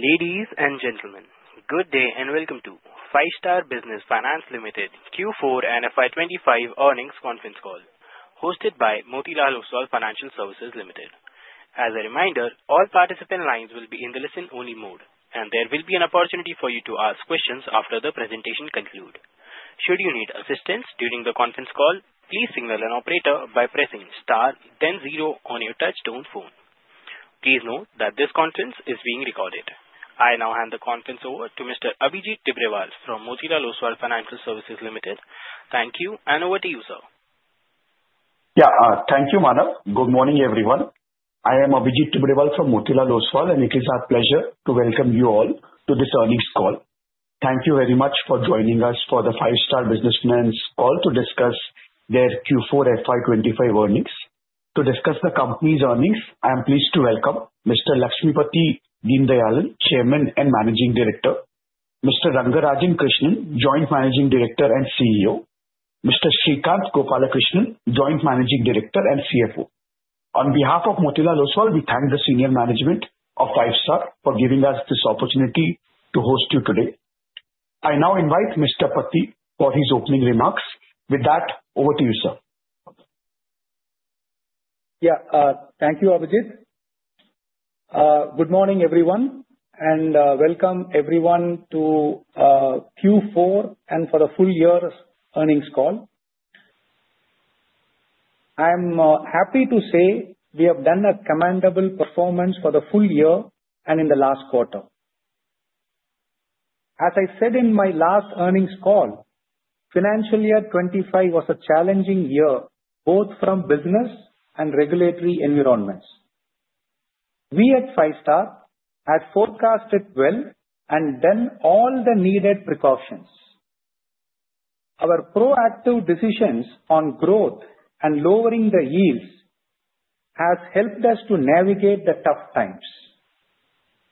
Ladies and gentlemen, good day and welcome to Five-Star Business Finance Limited Q4 and FY 2025 Earnings Conference call, hosted by Motilal Oswal Financial Services Limited. As a reminder, all participant lines will be in the listen-only mode, and there will be an opportunity for you to ask questions after the presentation concludes. Should you need assistance during the conference call, please signal an operator by pressing star, then zero on your touchstone phone. Please note that this conference is being recorded. I now hand the conference over to Mr. Abhijit Tibrewal from Motilal Oswal Financial Services Limited. Thank you, and over to you, sir. Yeah, thank you, Manav. Good morning, everyone. I am Abhijit Tibrewal from Motilal Oswal, and it is our pleasure to welcome you all to this earnings call. Thank you very much for joining us for the Five-Star Business Finance call to discuss their Q4 FY 2025 earnings. To discuss the company's earnings, I am pleased to welcome Mr. Lakshmipathy Deenadayalan, Chairman and Managing Director, Mr. Rangarajan Krishnan, Joint Managing Director and CEO, Mr. Srikanth Gopalakrishnan, Joint Managing Director and CFO. On behalf of Motilal Oswal, we thank the senior management of Five-Star for giving us this opportunity to host you today. I now invite Mr. Pathy for his opening remarks. With that, over to you, sir. Yeah, thank you, Abhijit. Good morning, everyone, and welcome everyone to Q4 and for the full year earnings call. I am happy to say we have done a commendable performance for the full year and in the last quarter. As I said in my last earnings call, financial year 2025 was a challenging year, both from business and regulatory environments. We at Five-Star had forecast it well and done all the needed precautions. Our proactive decisions on growth and lowering the yields have helped us to navigate the tough times.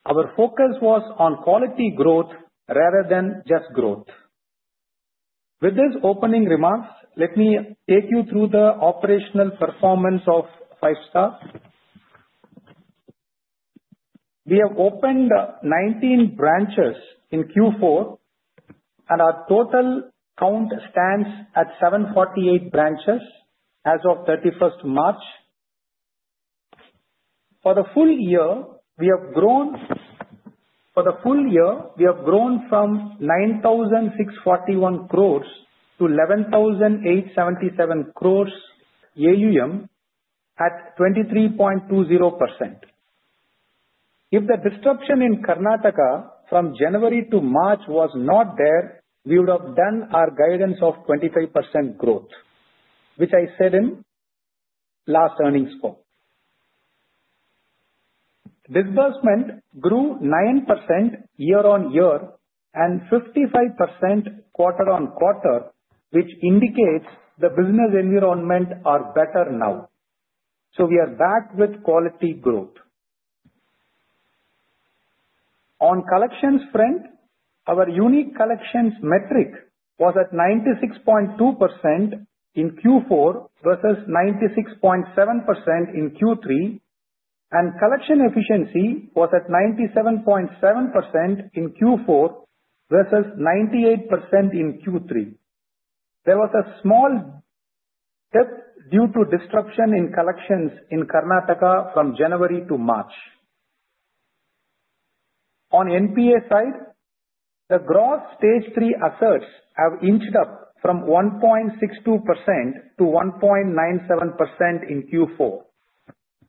Our focus was on quality growth rather than just growth. With these opening remarks, let me take you through the operational performance of Five-Star. We have opened 19 branches in Q4, and our total count stands at 748 branches as of 31st March. For the full year, we have grown from 9,641 Crores to 11,877 Crores AUM at 23.20%. If the disruption in Karnataka from January to March was not there, we would have done our guidance of 25% growth, which I said in last earnings call. Disbursement grew 9% year-on-year and 55% quarter-on-quarter, which indicates the business environment is better now. We are back with quality growth. On collections front, our unique collections metric was at 96.2% in Q4 versus 96.7% in Q3, and collection efficiency was at 97.7% in Q4 versus 98% in Q3. There was a small dip due to disruption in collections in Karnataka from January to March. On NPA side, the gross stage three assets have inched up from 1.62% to 1.97% in Q4.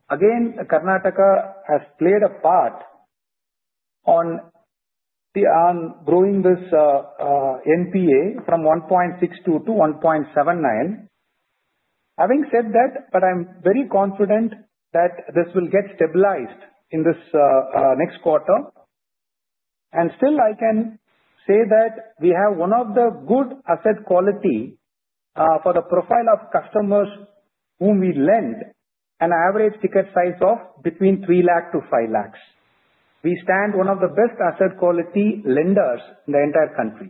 Again, Karnataka has played a part in growing this NPA from 1.62 to 1.79. Having said that, I am very confident that this will get stabilized in this next quarter. I can say that we have one of the good asset quality for the profile of customers whom we lend an average ticket size of between 3 lakh-5 lakh. We stand as one of the best asset quality lenders in the entire country.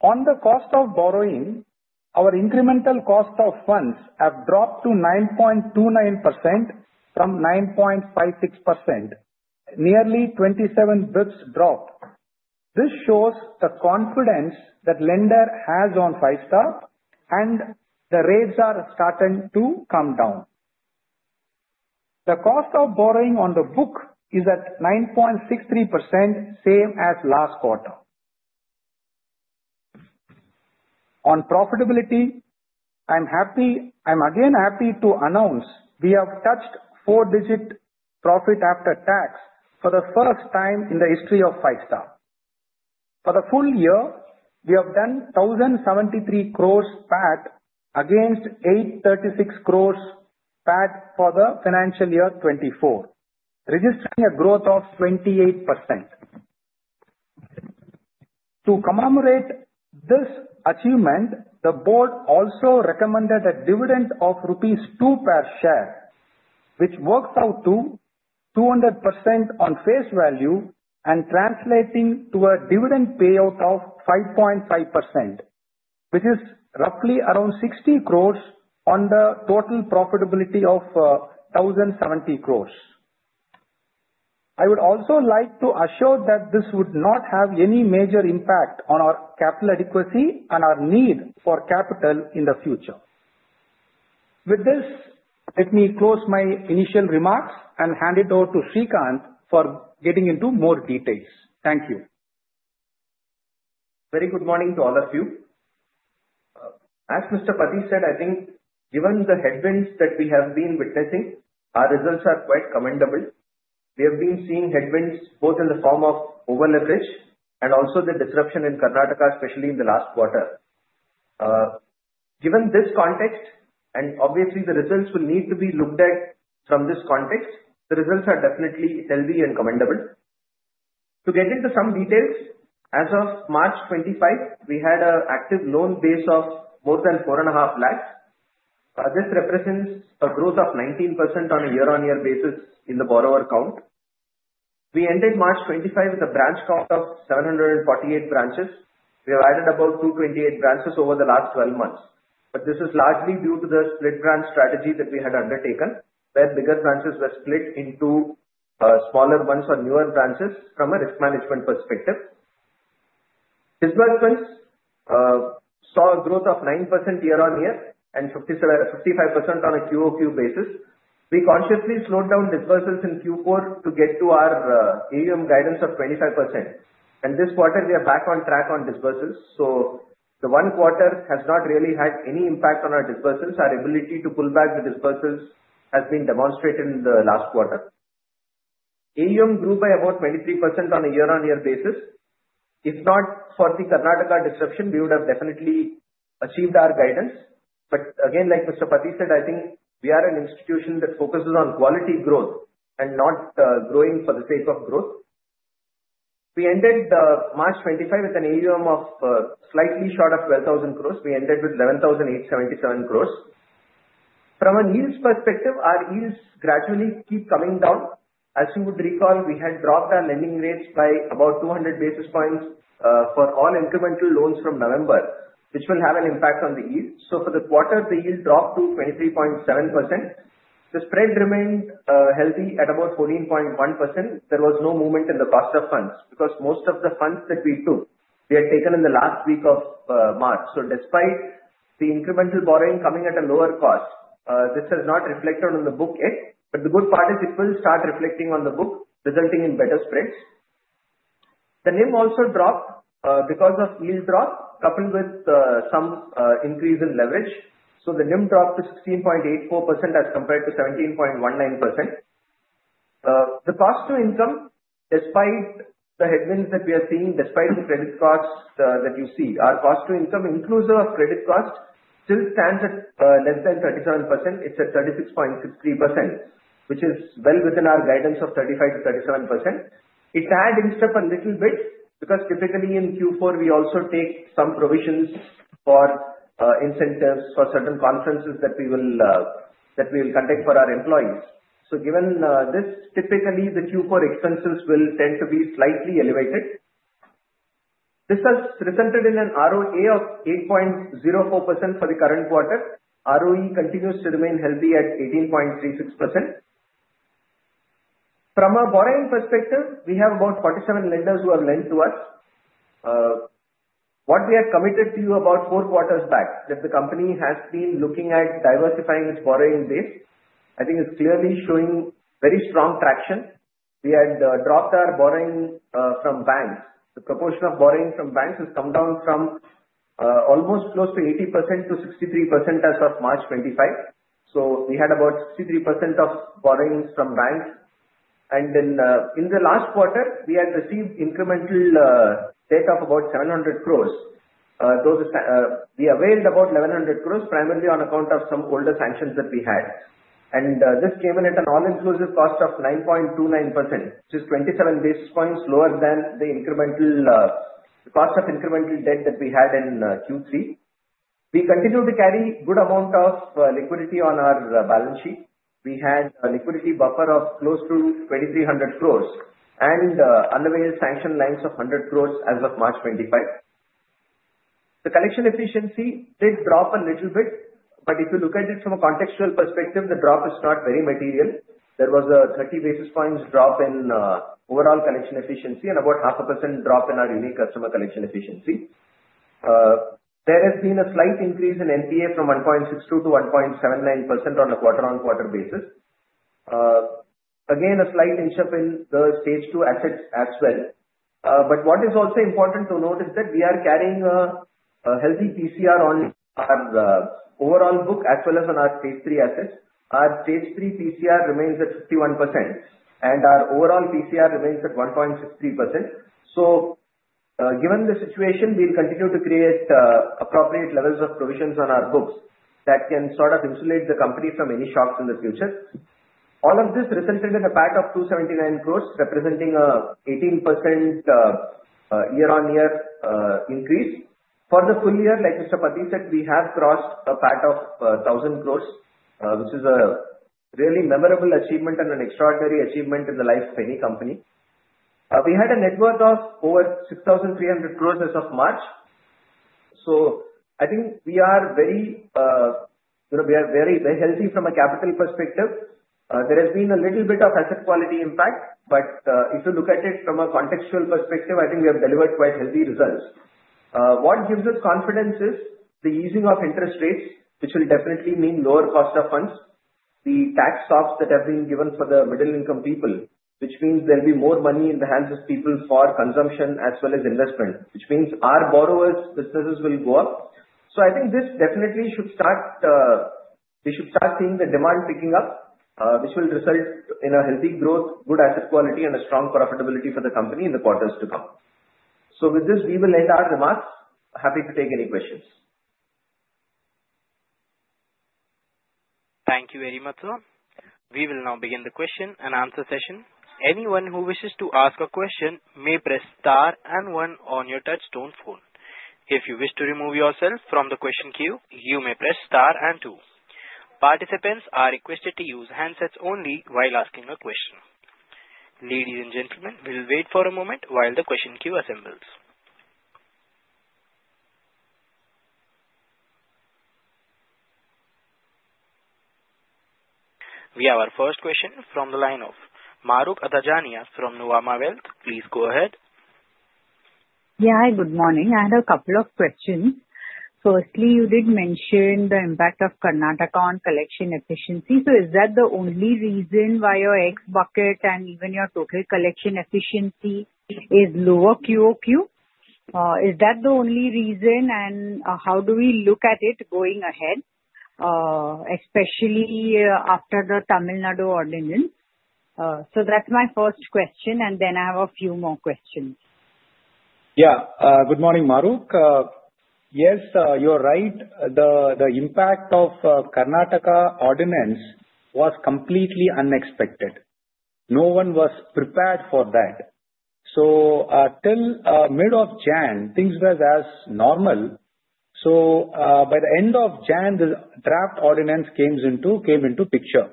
On the cost of borrowing, our incremental cost of funds have dropped to 9.29% from 9.56%, nearly 27 bps drop. This shows the confidence that the lender has on Five-Star, and the rates are starting to come down. The cost of borrowing on the book is at 9.63%, same as last quarter. On profitability, I'm again happy to announce we have touched four-digit profit after tax for the first time in the history of Five-Star. For the full year, we have done 1,073 crore PAT against 836 crore PAT for the financial year 2024, registering a growth of 28%. To commemorate this achievement, the board also recommended a dividend of rupees 2 per share, which works out to 200% on face value and translating to a dividend payout of 5.5%, which is roughly around 60 crore on the total profitability of 1,070 crore. I would also like to assure that this would not have any major impact on our capital adequacy and our need for capital in the future. With this, let me close my initial remarks and hand it over to Srikanth for getting into more details. Thank you. Very good morning to all of you. As Mr. Pathy said, I think given the headwinds that we have been witnessing, our results are quite commendable. We have been seeing headwinds both in the form of over-leverage and also the disruption in Karnataka, especially in the last quarter. Given this context, and obviously, the results will need to be looked at from this context, the results are definitely healthy and commendable. To get into some details, as of March 25, we had an active loan base of more than 4.5 lakh. This represents a growth of 19% on a year-on-year basis in the borrower count. We ended March 25 with a branch count of 748 branches. We have added about 228 branches over the last 12 months, but this is largely due to the split branch strategy that we had undertaken, where bigger branches were split into smaller ones or newer branches from a risk management perspective. Disbursements saw a growth of 9% year-on-year and 55% on a QoQ basis. We consciously slowed down disbursements in Q4 to get to our AUM guidance of 25%. This quarter, we are back on track on disbursements. The one quarter has not really had any impact on our disbursements. Our ability to pull back the disbursements has been demonstrated in the last quarter. AUM grew by about 23% on a year-on-year basis. If not for the Karnataka disruption, we would have definitely achieved our guidance. Again, like Mr. Pathy said, I think we are an institution that focuses on quality growth and not growing for the sake of growth. We ended March 2025 with an AUM of slightly short of 12,000 crore. We ended with 11,877 crore. From a yields perspective, our yields gradually keep coming down. As you would recall, we had dropped our lending rates by about 200 basis points for all incremental loans from November, which will have an impact on the yield. For the quarter, the yield dropped to 23.7%. The spread remained healthy at about 14.1%. There was no movement in the cost of funds because most of the funds that we took, we had taken in the last week of March. Despite the incremental borrowing coming at a lower cost, this has not reflected on the book yet. The good part is it will start reflecting on the book, resulting in better spreads. The NIM also dropped because of yield drop coupled with some increase in leverage. So the NIM dropped to 16.84% as compared to 17.19%. The cost to income, despite the headwinds that we are seeing, despite the credit costs that you see, our cost to income, inclusive of credit cost, still stands at less than 37%. It is at 36.63%, which is well within our guidance of 35%-37%. It had inched up a little bit because typically in Q4, we also take some provisions for incentives for certain conferences that we will conduct for our employees. Given this, typically the Q4 expenses will tend to be slightly elevated. This has resulted in an ROA of 8.04% for the current quarter. ROE continues to remain healthy at 18.36%. From a borrowing perspective, we have about 47 lenders who have lent to us. What we had committed to you about four quarters back, that the company has been looking at diversifying its borrowing base, I think is clearly showing very strong traction. We had dropped our borrowing from banks. The proportion of borrowing from banks has come down from almost close to 80% to 63% as of March 2025. We had about 63% of borrowings from banks. In the last quarter, we had received incremental debt of about 700 crore. We availed about 1,100 crore primarily on account of some older sanctions that we had. This came in at an all-inclusive cost of 9.29%, which is 27 basis points lower than the incremental cost of incremental debt that we had in Q3. We continue to carry a good amount of liquidity on our balance sheet. We had a liquidity buffer of close to 2,300 crores and unavailed sanction lines of 100 crores as of March 2025. The collection efficiency did drop a little bit, but if you look at it from a contextual perspective, the drop is not very material. There was a 30 basis points drop in overall collection efficiency and about 0.5% drop in our unique customer collection efficiency. There has been a slight increase in NPA from 1.62% to 1.79% on a quarter-on-quarter basis. Again, a slight inch up in the stage two assets as well. What is also important to note is that we are carrying a healthy PCR on our overall book as well as on our stage three assets. Our stage three PCR remains at 51%, and our overall PCR remains at 1.63%. Given the situation, we'll continue to create appropriate levels of provisions on our books that can sort of insulate the company from any shocks in the future. All of this resulted in a PAT of 279 crore, representing an 18% year-on-year increase. For the full year, like Mr. Pathy said, we have crossed a PAT of 1,000 crore, which is a really memorable achievement and an extraordinary achievement in the life of any company. We had a net worth of over 6,300 crore as of March. I think we are very healthy from a capital perspective. There has been a little bit of asset quality impact, but if you look at it from a contextual perspective, I think we have delivered quite healthy results. What gives us confidence is the easing of interest rates, which will definitely mean lower cost of funds, the tax stops that have been given for the middle-income people, which means there will be more money in the hands of people for consumption as well as investment, which means our borrowers' businesses will go up. I think this definitely should start; we should start seeing the demand picking up, which will result in a healthy growth, good asset quality, and a strong profitability for the company in the quarters to come. With this, we will end our remarks. Happy to take any questions. Thank you very much sir. We will now begin the question and answer session. Anyone who wishes to ask a question may press star and one on your touchstone phone. If you wish to remove yourself from the question queue, you may press star and two. Participants are requested to use handsets only while asking a question. Ladies and gentlemen, we'll wait for a moment while the question queue assembles. We have our first question from the line of Mahrukh Adajania from Nuvama Wealth. Please go ahead. Yeah, hi, good morning. I had a couple of questions. Firstly, you did mention the impact of Karnataka on collection efficiency. Is that the only reason why your X bucket and even your total collection efficiency is lower QoQ? Is that the only reason, and how do we look at it going ahead, especially after the Tamil Nadu Ordinance? That is my first question, and then I have a few more questions. Yeah, good morning, Mahrukh. Yes, you're right. The impact of Karnataka Ordinance was completely unexpected. No one was prepared for that. Till mid of January, things were as normal. By the end of January, the draft ordinance came into picture,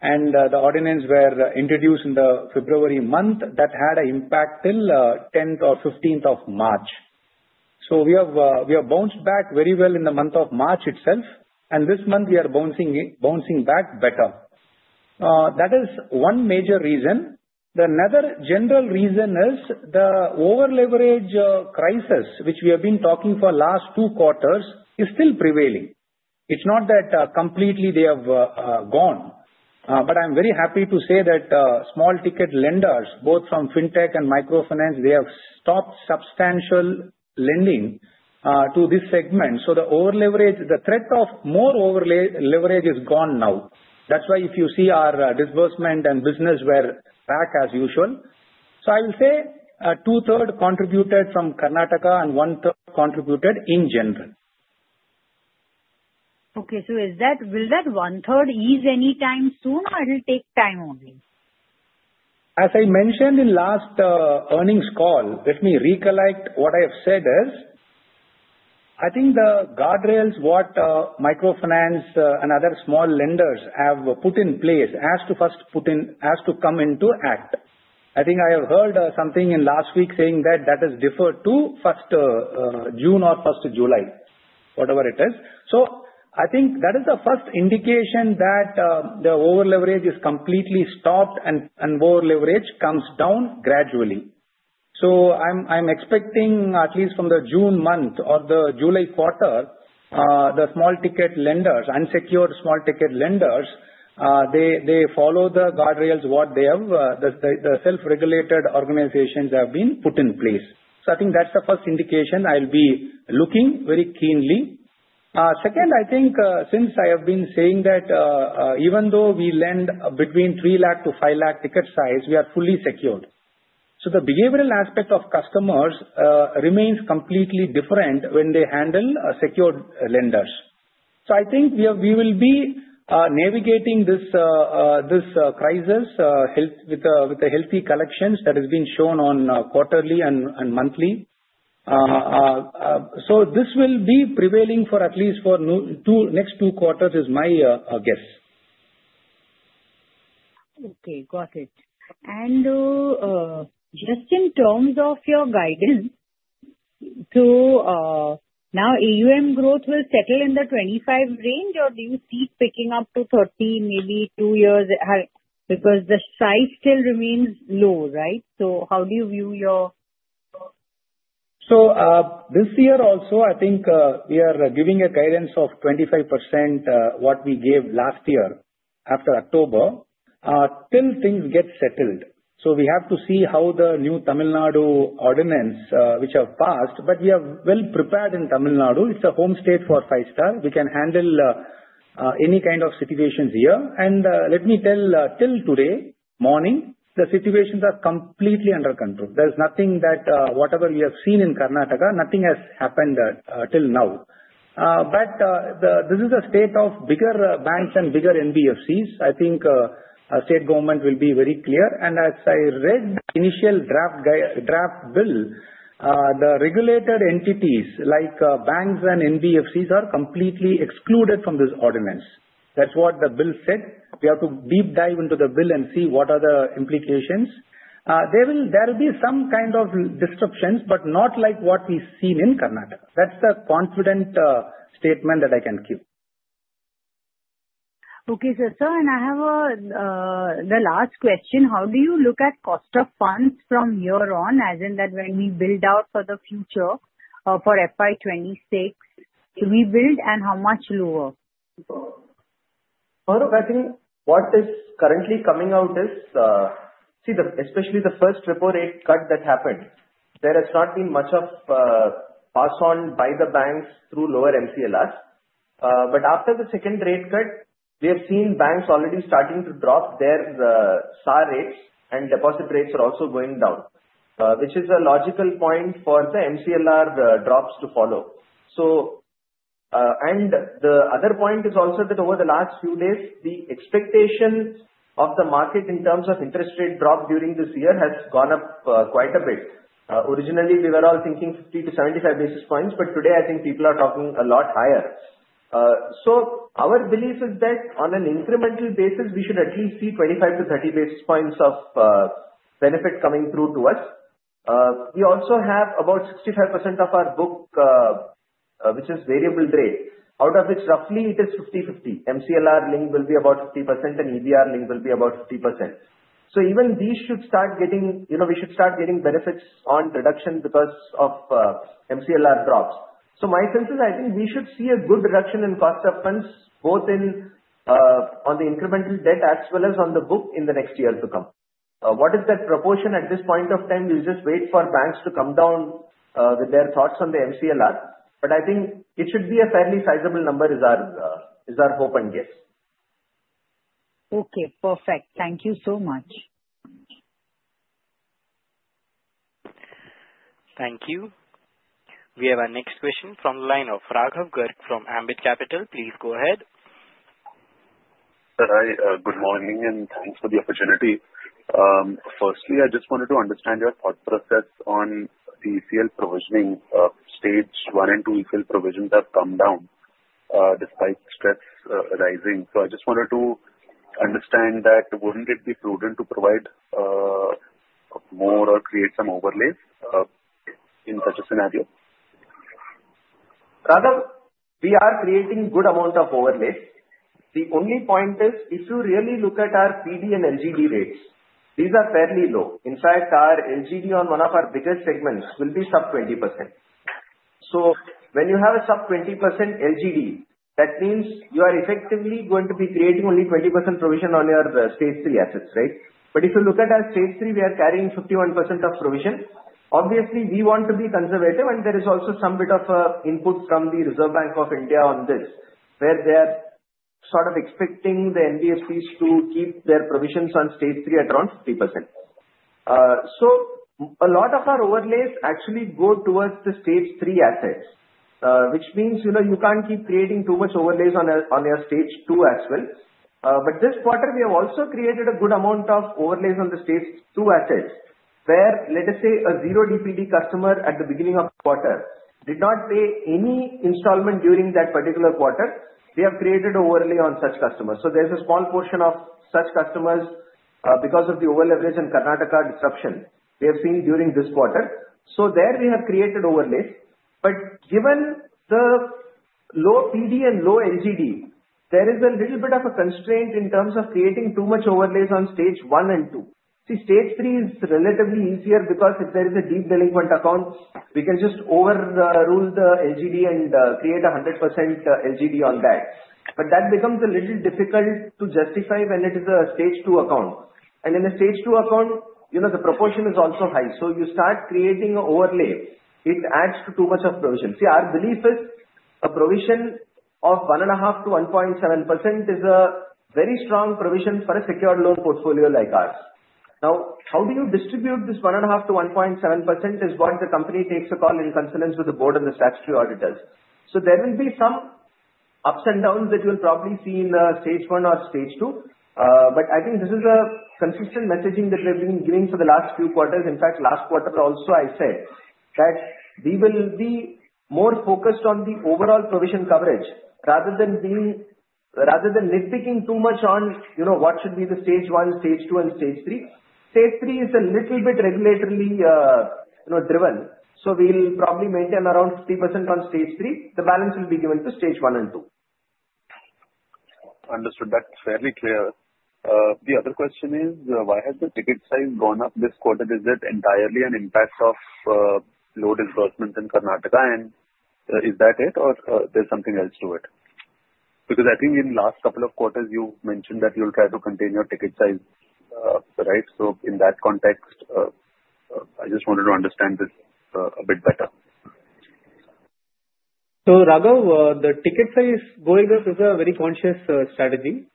and the ordinance was introduced in the February month that had an impact till the 10th or 15th of March. We have bounced back very well in the month of March itself, and this month we are bouncing back better. That is one major reason. The other general reason is the over-leverage crisis, which we have been talking about for the last two quarters, is still prevailing. It's not that completely they have gone, but I'm very happy to say that small-ticket lenders, both from fintech and microfinance, they have stopped substantial lending to this segment. The threat of more over-leverage is gone now. That's why if you see our disbursement and business, we're back as usual. I will say 2/3 contributed from Karnataka and 1/3 contributed in general. Okay, so will that 1/3 ease anytime soon, or it'll take time only? As I mentioned in last earnings call, let me recollect what I have said is I think the guardrails what microfinance and other small lenders have put in place has to come into act. I think I have heard something last week saying that that has deferred to June or July or whatever it is. I think that is the first indication that the over-leverage is completely stopped and more leverage comes down gradually. I'm expecting at least from the June month or the July quarter, the small-ticket lenders, unsecured small-ticket lenders, they follow the guardrails what the self-regulated organizations have been put in place. I think that's the first indication I'll be looking very keenly. Second, I think since I have been saying that even though we lend between 3 lakh-5 lakh ticket size, we are fully secured. The behavioral aspect of customers remains completely different when they handle secured lenders. I think we will be navigating this crisis with the healthy collections that have been shown quarterly and monthly. This will be prevailing for at least the next two quarters, is my guess. Okay, got it. Just in terms of your guidance, now AUM growth will settle in the 25% range, or do you see it picking up to 30% maybe in two years because the stride still remains low, right? How do you view your? This year also, I think we are giving a guidance of 25% what we gave last year after October till things get settled. We have to see how the new Tamil Nadu Ordinance, which has passed, but we are well prepared in Tamil Nadu. It's the home state for Five-Star. We can handle any kind of situations here. Let me tell till today morning, the situations are completely under control. There's nothing that whatever we have seen in Karnataka, nothing has happened till now. This is a state of bigger banks and bigger NBFCs. I think state government will be very clear. As I read the initial draft bill, the regulated entities like banks and NBFCs are completely excluded from this ordinance. That's what the bill said. We have to deep dive into the bill and see what are the implications. There will be some kind of disruptions, but not like what we've seen in Karnataka. That's the confident statement that I can give. Okay, sir. I have the last question. How do you look at cost of funds from here on, as in that when we build out for the future for FY 2026, do we build and how much lower? Mahrukh, I think what is currently coming out is, see, especially the first triple rate cut that happened, there has not been much of pass-on by the banks through lower MCLRs. After the second rate cut, we have seen banks already starting to drop their SAR rates, and deposit rates are also going down, which is a logical point for the MCLR drops to follow. The other point is also that over the last few days, the expectation of the market in terms of interest rate drop during this year has gone up quite a bit. Originally, we were all thinking 50-75 basis points, but today I think people are talking a lot higher. Our belief is that on an incremental basis, we should at least see 25-30 basis points of benefit coming through to us. We also have about 65% of our book, which is variable grade, out of which roughly it is 50/50. MCLR link will be about 50%, and EBR link will be about 50%. Even these should start getting, we should start getting benefits on reduction because of MCLR drops. My sense is I think we should see a good reduction in cost of funds both on the incremental debt as well as on the book in the next year to come. What is that proportion at this point of time? We will just wait for banks to come down with their thoughts on the MCLR, but I think it should be a fairly sizable number is our hope and guess. Okay, perfect. Thank you so much. Thank you. We have our next question from the line of Raghav Garg from Ambit Capital. Please go ahead. Hi, good morning, and thanks for the opportunity. Firstly, I just wanted to understand your thought process on the ECL provisioning. Stage one and two ECL provisions have come down despite stress arising. I just wanted to understand that, wouldn't it be prudent to provide more or create some overlays in such a scenario? Raghav, we are creating a good amount of overlays. The only point is if you really look at our PD and LGD rates, these are fairly low. In fact, our LGD on one of our biggest segments will be sub 20%. When you have a sub 20% LGD, that means you are effectively going to be creating only 20% provision on your stage three assets, right? If you look at our stage three, we are carrying 51% of provision. Obviously, we want to be conservative, and there is also some bit of input from the Reserve Bank of India on this, where they are sort of expecting the NBFCs to keep their provisions on stage three at around 50%. A lot of our overlays actually go towards the stage three assets, which means you can't keep creating too much overlays on your stage two as well. This quarter, we have also created a good amount of overlays on the stage two assets, where, let us say, a zero DPD customer at the beginning of the quarter did not pay any installment during that particular quarter. We have created overlay on such customers. There is a small portion of such customers because of the over-leverage and Karnataka disruption we have seen during this quarter. There we have created overlays. Given the low PD and low LGD, there is a little bit of a constraint in terms of creating too much overlays on stage one and two. See, stage three is relatively easier because if there is a deep delinquent account, we can just overrule the LGD and create a 100% LGD on that. That becomes a little difficult to justify when it is a stage two account. In a stage two account, the proportion is also high. You start creating an overlay. It adds to too much of provision. See, our belief is a provision of 1.5%-1.7% is a very strong provision for a secured loan portfolio like ours. Now, how you distribute this 1.5%-1.7% is what the company takes a call in concerns with the board and the statutory auditors. There will be some ups and downs that you'll probably see in stage one or stage two. I think this is a consistent messaging that we've been giving for the last few quarters. In fact, last quarter also, I said that we will be more focused on the overall provision coverage rather than nitpicking too much on what should be the stage one, stage two, and stage three. Stage three is a little bit regulatorily driven. We'll probably maintain around 50% on stage three. The balance will be given to stage one and two. Understood. That's fairly clear. The other question is, why has the ticket size gone up this quarter? Is that entirely an impact of load disbursement in Karnataka, and is that it, or there's something else to it? Because I think in the last couple of quarters, you mentioned that you'll try to contain your ticket size, right? In that context, I just wanted to understand this a bit better. Raghav, the ticket size going up is a very conscious strategy.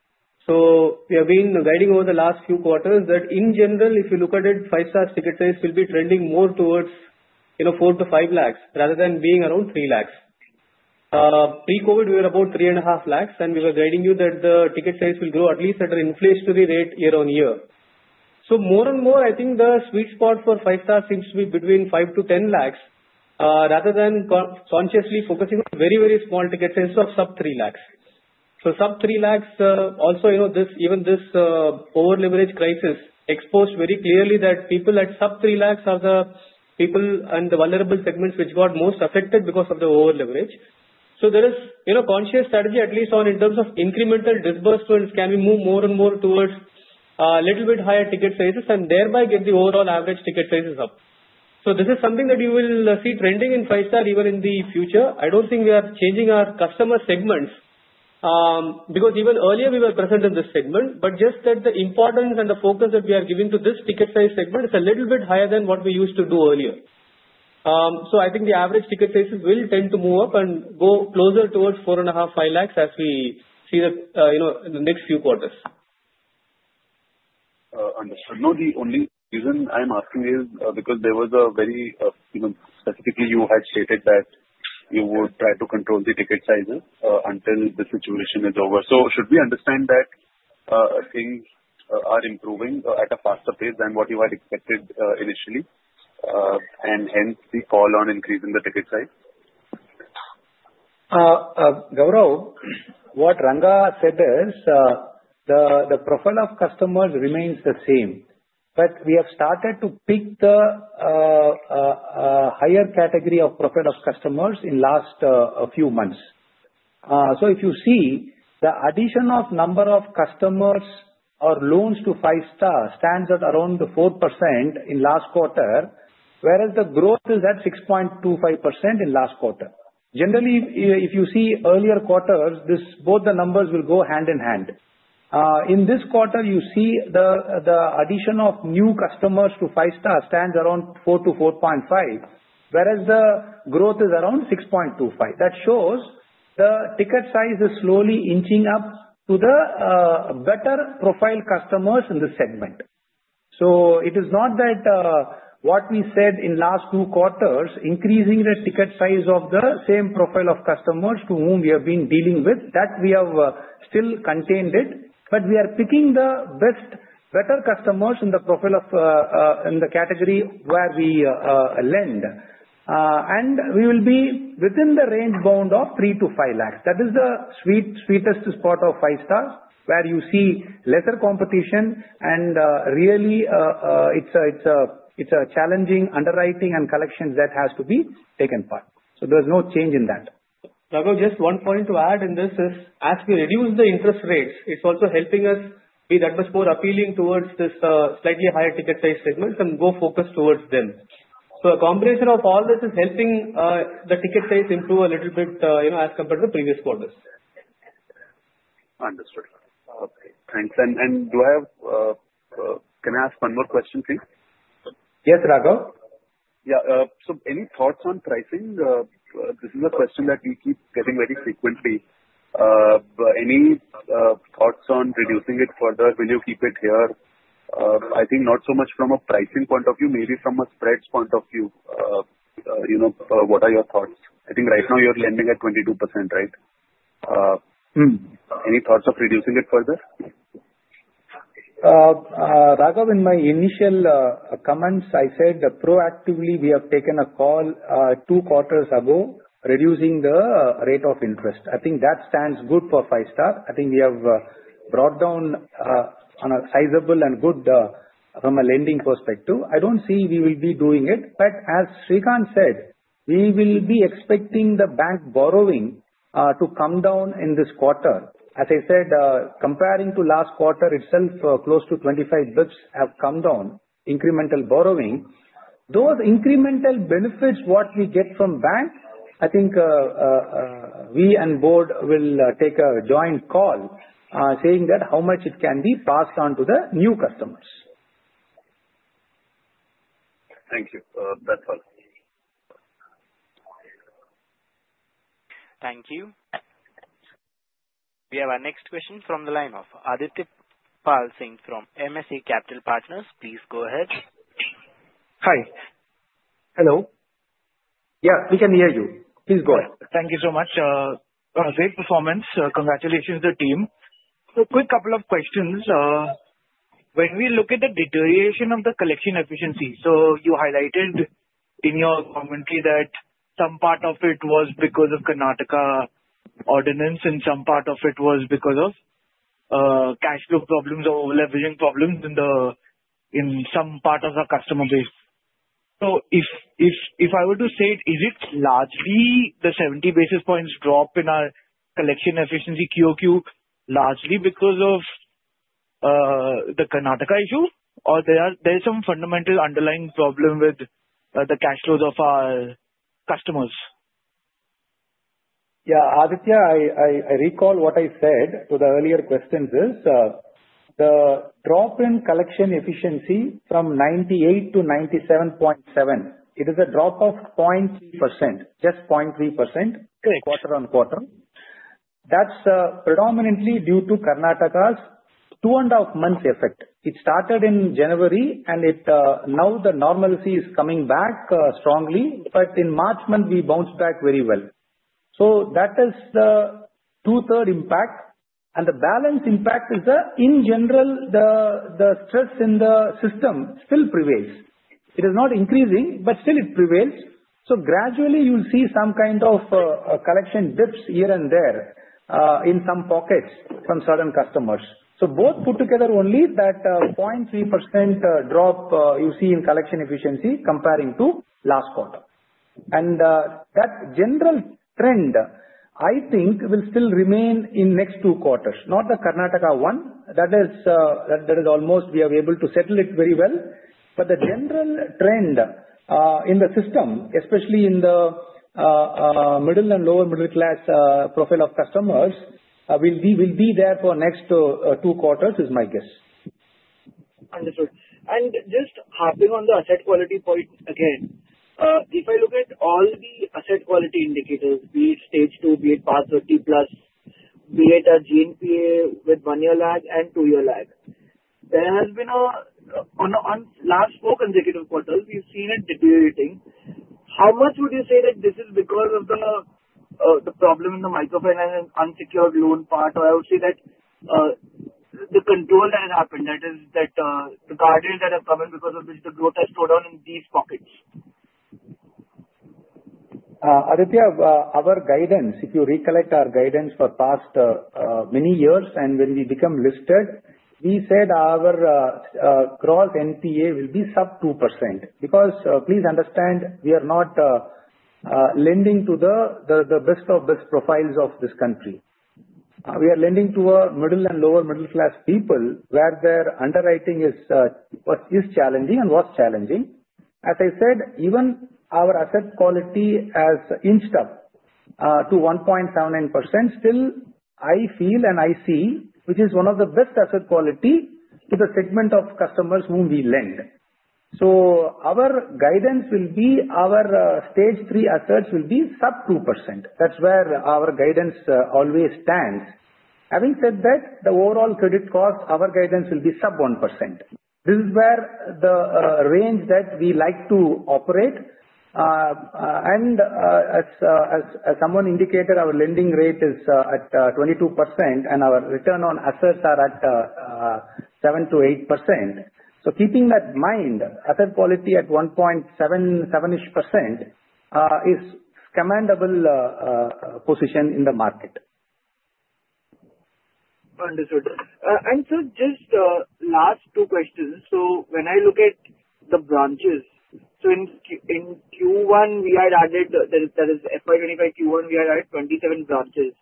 We have been guiding over the last few quarters that in general, if you look at it, Five-Star ticket size will be trending more towards 4 lakh-5 lakh rather than being around 3 lakh. Pre-COVID, we were about 3.5 lakh, and we were guiding you that the ticket size will grow at least at an inflationary rate year-on-year. More and more, I think the sweet spot for Five-Star seems to be between 5 lakh-10 lakh rather than consciously focusing on very, very small tickets instead of sub 3 lakh. Sub 3 lakh, also even this over-leverage crisis exposed very clearly that people at sub 3 lakh are the people and the vulnerable segments which got most affected because of the over-leverage. There is a conscious strategy, at least in terms of incremental disbursements, can we move more and more towards a little bit higher ticket sizes and thereby get the overall average ticket sizes up? This is something that you will see trending in Five-Star even in the future. I do not think we are changing our customer segments because even earlier we were present in this segment, but just that the importance and the focus that we are giving to this ticket size segment is a little bit higher than what we used to do earlier. I think the average ticket sizes will tend to move up and go closer towards 4.5 lakh-5 lakh as we see in the next few quarters. Understood. No, the only reason I'm asking is because there was a very specifically you had stated that you would try to control the ticket sizes until the situation is over. Should we understand that things are improving at a faster pace than what you had expected initially, and hence the call on increasing the ticket size? Raghav, what Ranga said is the profile of customers remains the same, but we have started to pick the higher category of profile of customers in the last few months. If you see the addition of number of customers or loans to Five-Star stands at around 4% in the last quarter, whereas the growth is at 6.25% in the last quarter. Generally, if you see earlier quarters, both the numbers will go hand in hand. In this quarter, you see the addition of new customers to Five-Star stands around 4%-4.5%, whereas the growth is around 6.25%. That shows the ticket size is slowly inching up to the better profile customers in the segment. It is not that what we said in the last two quarters, increasing the ticket size of the same profile of customers to whom we have been dealing with, that we have still contained it, but we are picking the best, better customers in the profile of the category where we lend. We will be within the range bound of 3 lakh-5 lakh. That is the sweetest spot of Five-Star, where you see lesser competition, and really it is a challenging underwriting and collections that has to be taken part. There is no change in that. Raghav, just one point to add in this is as we reduce the interest rates, it is also helping us be that much more appealing towards this slightly higher ticket size segments and go focus towards them. A combination of all this is helping the ticket size improve a little bit as compared to the previous quarters. Understood. Okay, thanks. Do I have, can I ask one more question, please? Yes, Raghav. Yeah. Any thoughts on pricing? This is a question that we keep getting very frequently. Any thoughts on reducing it further? Will you keep it here? I think not so much from a pricing point of view, maybe from a spreads point of view. What are your thoughts? I think right now you are lending at 22%, right? Any thoughts of reducing it further? Raghav, in my initial comments, I said proactively we have taken a call two quarters ago reducing the rate of interest. I think that stands good for Five-Star. I think we have brought down on a sizable and good from a lending perspective. I do not see we will be doing it, but as Srikanth said, we will be expecting the bank borrowing to come down in this quarter. As I said, comparing to last quarter itself, close to 25 bps have come down, incremental borrowing. Those incremental benefits what we get from banks, I think we and board will take a joint call saying that how much it can be passed on to the new customers. Thank you. That's all. Thank you. We have our next question from the line of Adityapal Singh from MSA Capital Partners. Please go ahead. Hi. Hello. Yeah, we can hear you. Please go ahead. Thank you so much. Great performance. Congratulations to the team. Quick couple of questions. When we look at the deterioration of the collection efficiency, you highlighted in your commentary that some part of it was because of the Karnataka ordinance and some part of it was because of cash flow problems or over-leveraging problems in some part of our customer base. If I were to say, is it largely the 70 basis points drop in our collection efficiency QoQ largely because of the Karnataka issue, or is there some fundamental underlying problem with the cash flows of our customers? Yeah, Aditya, I recall what I said to the earlier questions is the drop in collection efficiency from 98% to 97.7%. It is a drop of 0.3%, just 0.3% quarter-on-quarter. that is predominantly due to Karnataka's two and a half months effect. It started in January, and now the normalcy is coming back strongly, but in March month, we bounced back very well. That is the two-third impact, and the balance impact is that in general, the stress in the system still prevails. It is not increasing, but still it prevails. Gradually, you'll see some kind of collection dips here and there in some pockets from certain customers. Both put together only that 0.3% drop you see in collection efficiency comparing to last quarter. That general trend, I think, will still remain in the next two quarters, not the Karnataka one. That is almost we are able to settle it very well. The general trend in the system, especially in the middle and lower middle class profile of customers, will be there for the next two quarters is my guess. Understood. Just hopping on the asset quality point again, if I look at all the asset quality indicators, be it stage two, be it PAR 30+, be it a GNPA with one year lag and two year lag, there has been a last four consecutive quarters, we've seen it deteriorating. How much would you say that this is because of the problem in the microfinance and unsecured loan part, or I would say that the control that has happened, that is that the guardians that have come in because of which the growth has slowed down in these pockets? Aditya, our guidance, if you recollect our guidance for past many years, and when we become listed, we said our gross NPA will be sub 2% because please understand, we are not lending to the best of best profiles of this country. We are lending to middle and lower middle class people where their underwriting is challenging and was challenging. As I said, even our asset quality has inched up to 1.79%, still I feel and I see, which is one of the best asset quality to the segment of customers whom we lend. Our guidance will be our stage three assets will be sub 2%. That is where our guidance always stands. Having said that, the overall credit cost, our guidance will be sub 1%. This is where the range that we like to operate. As someone indicated, our lending rate is at 22%, and our return on assets are at 7%-8%. Keeping that in mind, asset quality at 1.77% is a commendable position in the market. Understood. Just last two questions. When I look at the branches, in Q1, that is FY 2025 Q1, we had added 27 branches.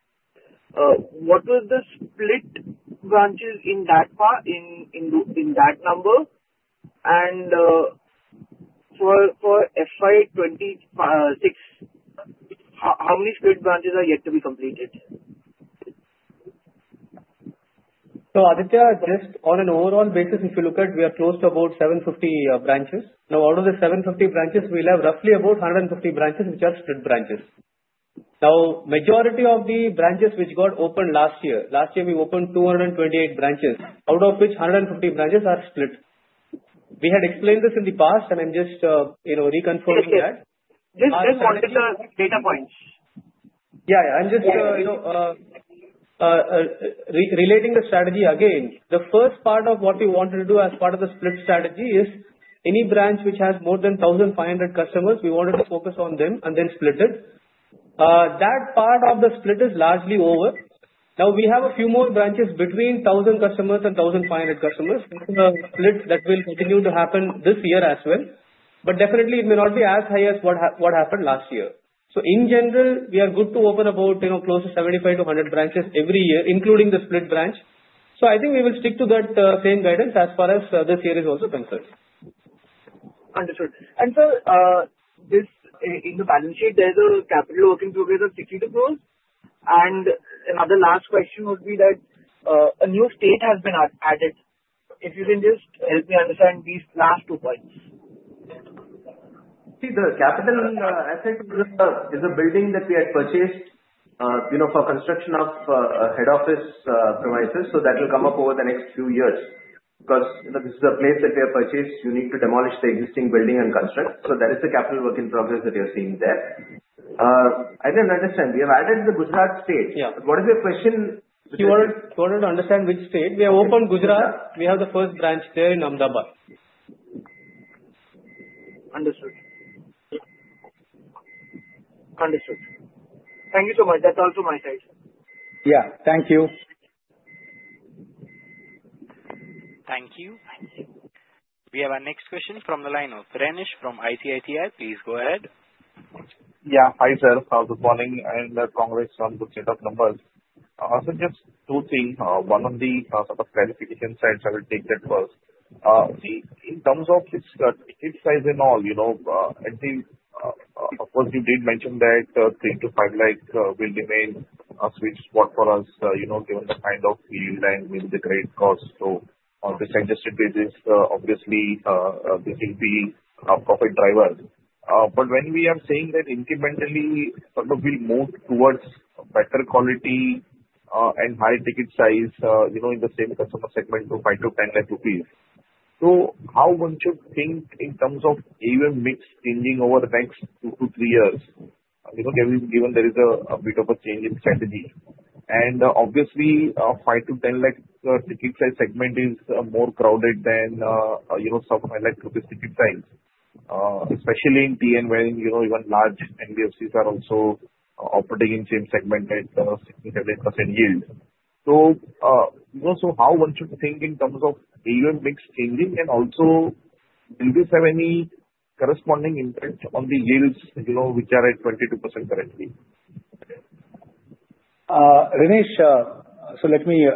What was the split branches in that number? For FY 2026, how many split branches are yet to be completed? Aditya, just on an overall basis, if you look at, we are close to about 750 branches. Now, out of the 750 branches, we'll have roughly about 150 branches which are split branches. Now, majority of the branches which got opened last year, last year we opened 228 branches, out of which 150 branches are split. We had explained this in the past, and I'm just reconfirming that. Just one data point. Yeah, I'm just relating the strategy again. The first part of what we wanted to do as part of the split strategy is any branch which has more than 1,500 customers, we wanted to focus on them and then split it. That part of the split is largely over. Now, we have a few more branches between 1,000 customers and 1,500 customers. It's a split that will continue to happen this year as well. Definitely, it may not be as high as what happened last year. In general, we are good to open about close to 75-100 branches every year, including the split branch. I think we will stick to that same guidance as far as this year is also concerned. Understood. This, in the balance sheet, there is a capital working together 60 to grow? Another last question would be that a new state has been added. If you can just help me understand these last two points. See, the capital asset is a building that we had purchased for construction of head office premises. That will come up over the next few years because this is a place that we have purchased. You need to demolish the existing building and construct. That is the capital work in progress that you're seeing there. I did not understand. We have added the Gujarat state. What is your question? You wanted to understand which state? We have opened Gujarat. We have the first branch there in Ahmedabad. Understood. Thank you so much. That's all from my side. Yeah, thank you. Thank you. We have our next question from the line of Renish from ICICI. Please go ahead. Yeah, hi sir. Good morning. I'm the congressman Gujarat member. Just two things. One on the sort of clarification side, I will take that first. In terms of its size and all, of course, you did mention that 3 lakh-5 lakh will remain a sweet spot for us given the kind of yield and maybe the great cost. On the suggested basis, obviously, this will be a profit driver. When we are saying that incrementally, we'll move towards better quality and high ticket size in the same customer segment to 5 lakh-10 lakh rupees. How much do you think in terms of AUM mix changing over the next two to three years, given there is a bit of a change in strategy? Obviously, 5 lakh-10 lakh ticket size segment is more crowded than sub INR 5 lakh ticket size, especially in TN where even large NBFCs are also operating in the same segment at 60%-70% yield. How much do you think in terms of AUM mix changing and also will this have any corresponding impact on the yields which are at 22% currently? Renish, let me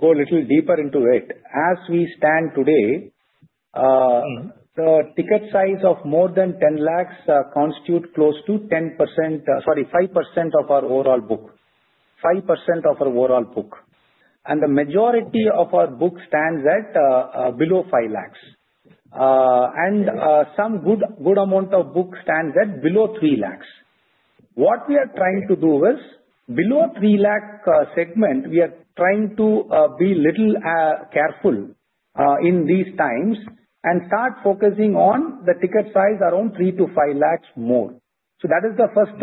go a little deeper into it. As we stand today, the ticket size of more than 10 lakh constitutes close to 5% of our overall book. 5% of our overall book. The majority of our book stands at below 5 lakh. Some good amount of book stands at below 3 lakh. What we are trying to do is, in the below 3 lakh segment, we are trying to be a little careful in these times and start focusing on the ticket size around 3 lakh-5 lakh more. That is the first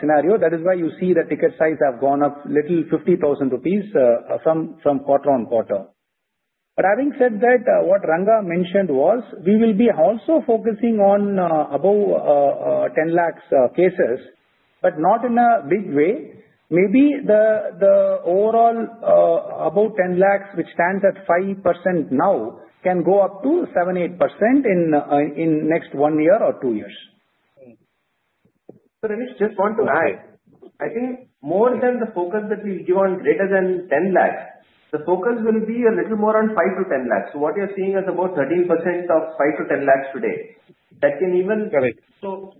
scenario. That is why you see the ticket size has gone up a little, 50,000 rupees, quarter-on-quarter. Having said that, what Ranga mentioned was we will also be focusing on above 10 lakh cases, but not in a big way. Maybe the overall above 10 lakh, which stands at 5% now, can go up to 7%-8% in the next one year or two years. Renish, just want to add, I think more than the focus that we give on greater than 10 lakh, the focus will be a little more on 5 lakh-10 lakh. What you're seeing is about 13% of 5 lakh-10 lakh today. That can even, so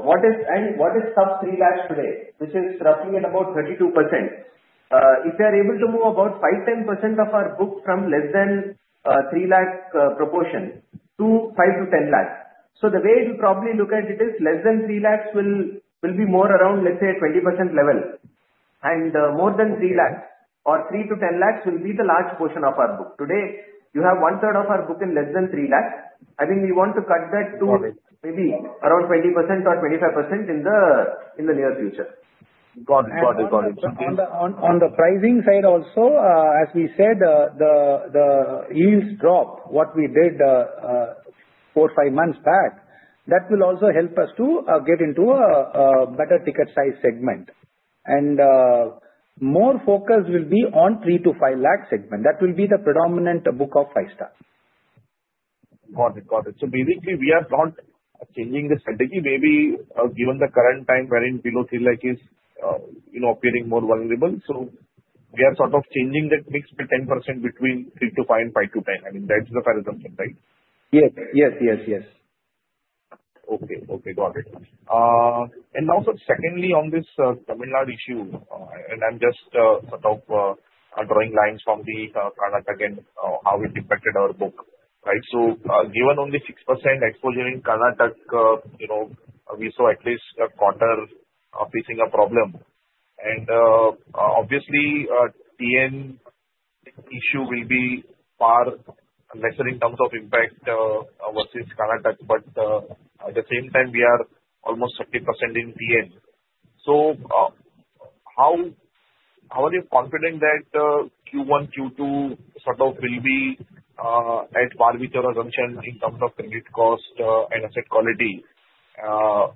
what is sub 3 lakh today, which is roughly at about 32%. If you are able to move about 5%-10% of our book from less than 3 lakh proportion to 5 lakh-10 lakh, the way we probably look at it is less than 3 lakh will be more around, let's say, 20% level. More than 3 lakh or 3 lakh-10 lakh will be the large portion of our book. Today, you have one third of our book in less than 3 lakh. I think we want to cut that to maybe around 20% or 25% in the near future. Got it. Got it. Got it. On the pricing side also, as we said, the yields drop what we did four-five months back. That will also help us to get into a better ticket size segment. More focus will be on 3 lakh-5 lakh segment. That will be the predominant book of Five-Star. Got it. Got it. Basically, we are not changing the strategy. Maybe given the current time wherein below 3 lakh is appearing more vulnerable, we are sort of changing that mix by 10% between 3 lakh-5 lakh and 5 lakh-10 lakh. I mean, that's the paradigm, right? Yes. Yes. Yes. Yes. Okay. Okay. Got it. Also, secondly, on this Tamil Nadu issue, I am just sort of drawing lines from the Karnataka and how it impacted our book, right? Given only 6% exposure in Karnataka, we saw at least a quarter facing a problem. Obviously, the TN issue will be far lesser in terms of impact versus Karnataka, but at the same time, we are almost 30% in TN. How are you confident that Q1, Q2 will be at par with your assumption in terms of credit cost and asset quality?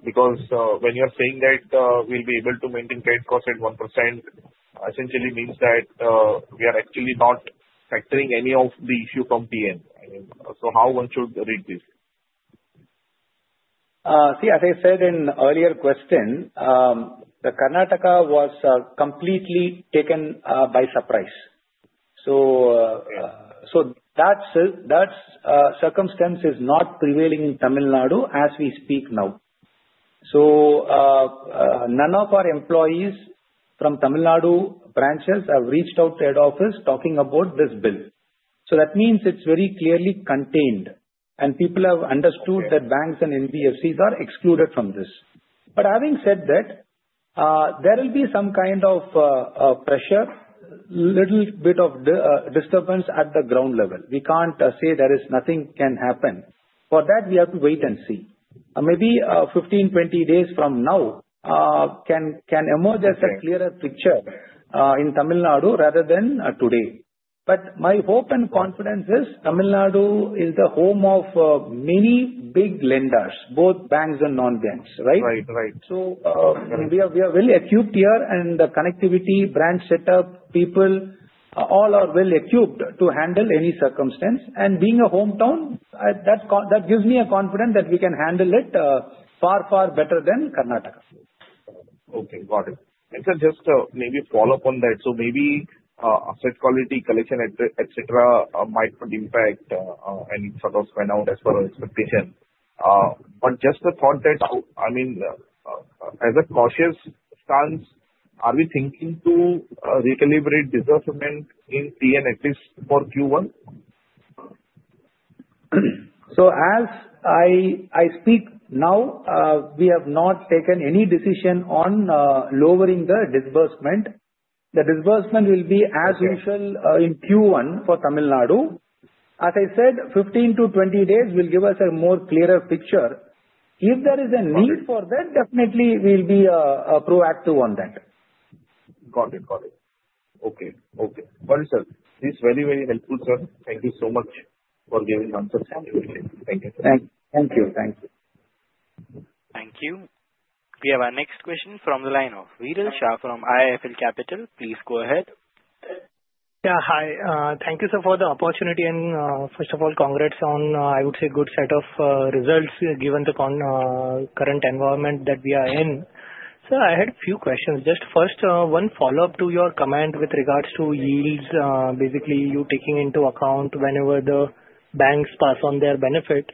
Because when you are saying that we will be able to maintain credit cost at 1%, it essentially means that we are actually not factoring any of the issue from TN. How should one read this? See, as I said in earlier question, Karnataka was completely taken by surprise. That circumstance is not prevailing in Tamil Nadu as we speak now. None of our employees from Tamil Nadu branches have reached out to head office talking about this bill. That means it is very clearly contained, and people have understood that banks and NBFCs are excluded from this. Having said that, there will be some kind of pressure, a little bit of disturbance at the ground level. We can't say nothing can happen. For that, we have to wait and see. Maybe 15-20 days from now can emerge as a clearer picture in Tamil Nadu rather than today. My hope and confidence is Tamil Nadu is the home of many big lenders, both banks and non-banks, right? Right. Right. We are well equipped here, and the connectivity, branch setup, people, all are well equipped to handle any circumstance. Being a hometown, that gives me a confidence that we can handle it far, far better than Karnataka. Okay. Got it. Just maybe follow up on that. Maybe asset quality, collection, etc., might not impact and sort of went out as per expectation. Just the thought that, I mean, as a cautious stance, are we thinking to recalibrate this assessment in TN at least for Q1? As I speak now, we have not taken any decision on lowering the disbursement. The disbursement will be as usual in Q1 for Tamil Nadu. As I said, 15-20 days will give us a more clearer picture. If there is a need for that, definitely we'll be proactive on that. Got it. Got it. Okay. Okay. Sir, this is very, very helpful, sir. Thank you so much for giving the answers. Thank you. Thank you. Thank you. Thank you. We have our next question from the line of Viral Shah from IIFL Capital. Please go ahead. Yeah, hi. Thank you, sir, for the opportunity. First of all, congrats on, I would say, good set of results given the current environment that we are in. Sir, I had a few questions. Just first, one follow-up to your comment with regards to yields, basically you taking into account whenever the banks pass on their benefit.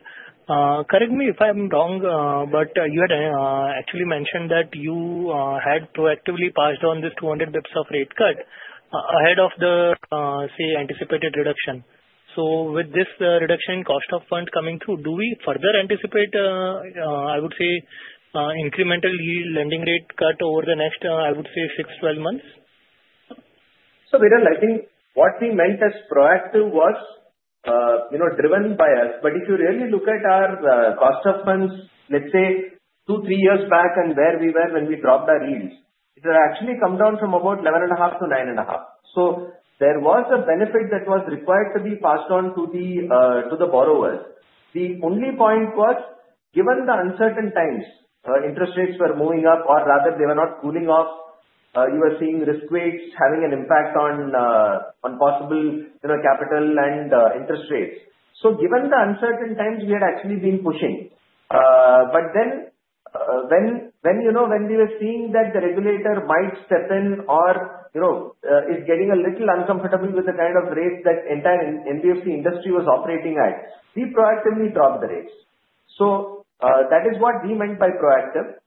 Correct me if I'm wrong, but you had actually mentioned that you had proactively passed on this 200 bps of rate cut ahead of the, say, anticipated reduction. With this reduction in cost of funds coming through, do we further anticipate, I would say, incremental yield lending rate cut over the next, I would say, 6-12 months? Viral, I think what we meant as proactive was driven by us. If you really look at our cost of funds, let's say, two, three years back and where we were when we dropped our yields, it had actually come down from about 11.5% to 9.5%. There was a benefit that was required to be passed on to the borrowers. The only point was, given the uncertain times, interest rates were moving up, or rather they were not cooling off, you were seeing risk weights having an impact on possible capital and interest rates. Given the uncertain times, we had actually been pushing. When we were seeing that the regulator might step in or is getting a little uncomfortable with the kind of rate that entire NBFC industry was operating at, we proactively dropped the rates. That is what we meant by proactive.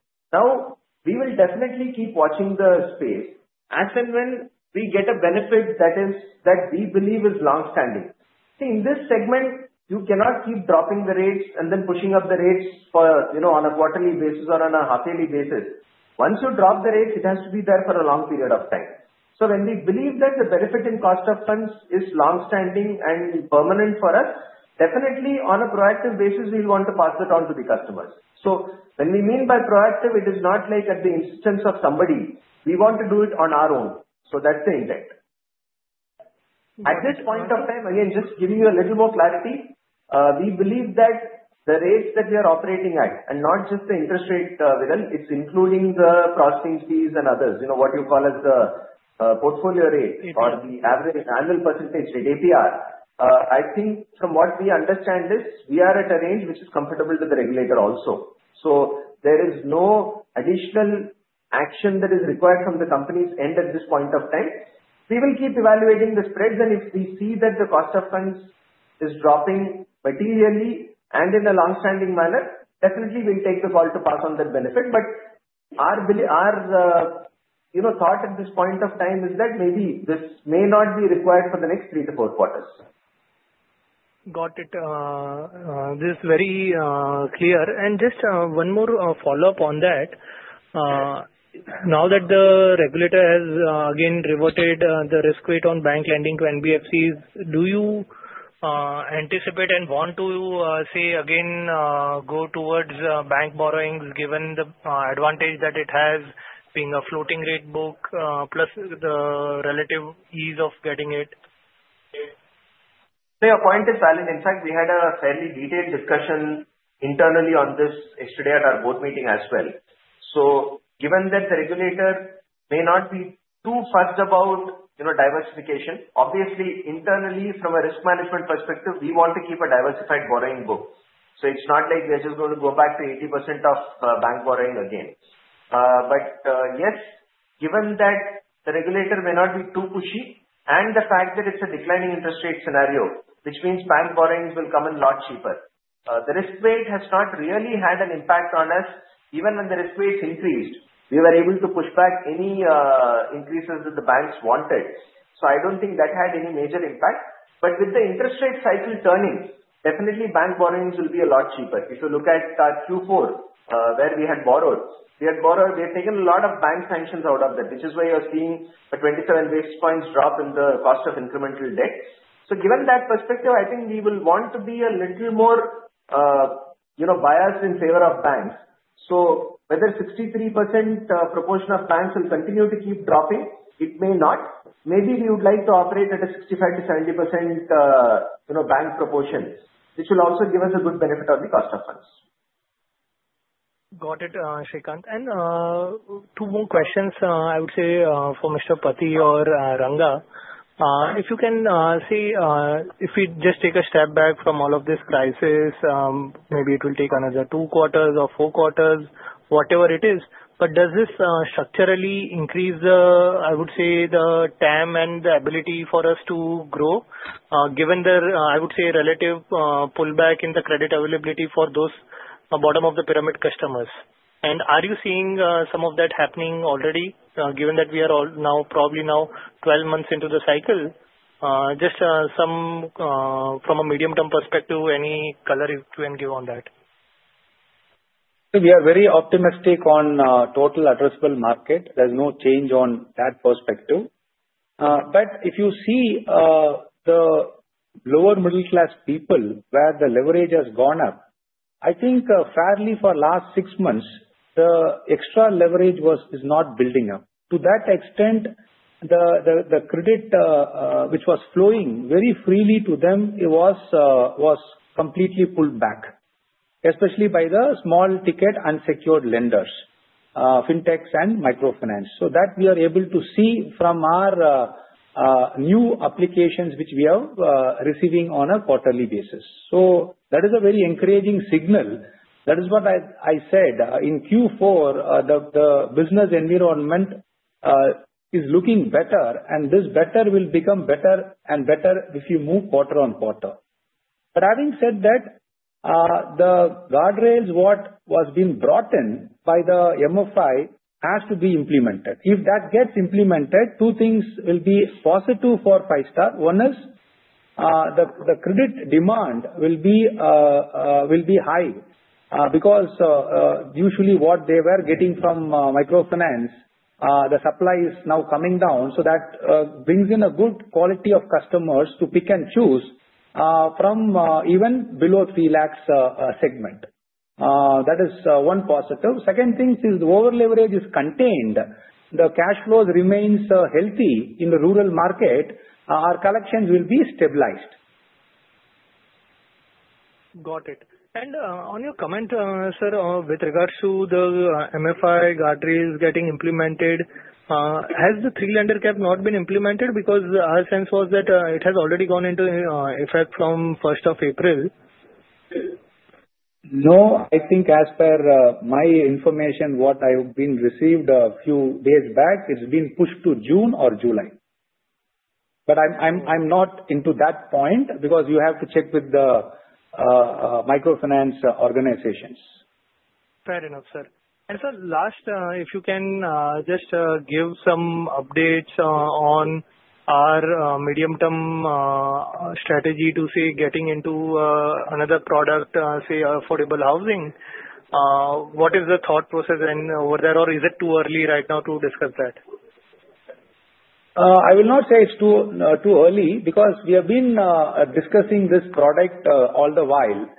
We will definitely keep watching the space as and when we get a benefit that we believe is longstanding. See, in this segment, you cannot keep dropping the rates and then pushing up the rates on a quarterly basis or on a half-yearly basis. Once you drop the rates, it has to be there for a long period of time. When we believe that the benefit in cost of funds is longstanding and permanent for us, definitely on a proactive basis, we will want to pass it on to the customers. When we mean by proactive, it is not like at the insistence of somebody. We want to do it on our own. That is the intent. At this point of time, again, just giving you a little more clarity, we believe that the rates that we are operating at, and not just the interest rate, Viral, it's including the processing fees and others, what you call as the portfolio rate or the average annual percentage rate, APR. I think from what we understand is we are at a range which is comfortable to the regulator also. There is no additional action that is required from the company's end at this point of time. We will keep evaluating the spreads. If we see that the cost of funds is dropping materially and in a longstanding manner, definitely we'll take the call to pass on that benefit. Our thought at this point of time is that maybe this may not be required for the next three to four quarters. Got it. This is very clear. Just one more follow-up on that. Now that the regulator has again reverted the risk weight on bank lending to NBFCs, do you anticipate and want to say again go towards bank borrowings given the advantage that it has being a floating rate book plus the relative ease of getting it? The point is valid. In fact, we had a fairly detailed discussion internally on this yesterday at our board meeting as well. Given that the regulator may not be too fussed about diversification, obviously, internally, from a risk management perspective, we want to keep a diversified borrowing book. It is not like we are just going to go back to 80% of bank borrowing again. Yes, given that the regulator may not be too pushy and the fact that it is a declining interest rate scenario, which means bank borrowings will come in a lot cheaper, the risk weight has not really had an impact on us. Even when the risk weights increased, we were able to push back any increases that the banks wanted. I do not think that had any major impact. With the interest rate cycle turning, definitely bank borrowings will be a lot cheaper. If you look at Q4, where we had borrowed, we had borrowed, we had taken a lot of bank sanctions out of that, which is why you're seeing a 27 bps drop in the cost of incremental debt. Given that perspective, I think we will want to be a little more biased in favor of banks. Whether 63% proportion of banks will continue to keep dropping, it may not. Maybe we would like to operate at a 65%-70% bank proportion, which will also give us a good benefit on the cost of funds. Got it, Srikanth. Two more questions, I would say, for Mr. Pathy or Ranga. If you can see, if we just take a step back from all of this crisis, maybe it will take another two quarters or four quarters, whatever it is. Does this structurally increase, I would say, the TAM and the ability for us to grow given the, I would say, relative pullback in the credit availability for those bottom of the pyramid customers? Are you seeing some of that happening already, given that we are now probably now 12 months into the cycle? Just from a medium-term perspective, any color you can give on that? We are very optimistic on total addressable market. There is no change on that perspective. If you see the lower middle-class people where the leverage has gone up, I think fairly for the last six months, the extra leverage is not building up. To that extent, the credit which was flowing very freely to them, it was completely pulled back, especially by the small ticket unsecured lenders, fintechs, and microfinance. We are able to see that from our new applications which we are receiving on a quarterly basis. That is a very encouraging signal. That is what I said. In Q4, the business environment is looking better, and this better will become better and better if you move quarter-on-quarter. Having said that, the guardrails that were being brought in by the MFI have to be implemented. If that gets implemented, two things will be positive for Five-Star. One is the credit demand will be high because usually what they were getting from microfinance, the supply is now coming down. That brings in a good quality of customers to pick and choose from even below 3 lakh segment. That is one positive. Second thing is the over-leverage is contained. The cash flows remain healthy in the rural market. Our collections will be stabilized. Got it. On your comment, sir, with regards to the MFI guardrails getting implemented, has the three-lender cap not been implemented? Because our sense was that it has already gone into effect from 1st of April. No, I think as per my information, what I have been received a few days back, it's been pushed to June or July. I am not into that point because you have to check with the microfinance organizations. Fair enough, sir. Sir, last, if you can just give some updates on our medium-term strategy to say getting into another product, say, affordable housing, what is the thought process over there, or is it too early right now to discuss that? I will not say it's too early because we have been discussing this product all the while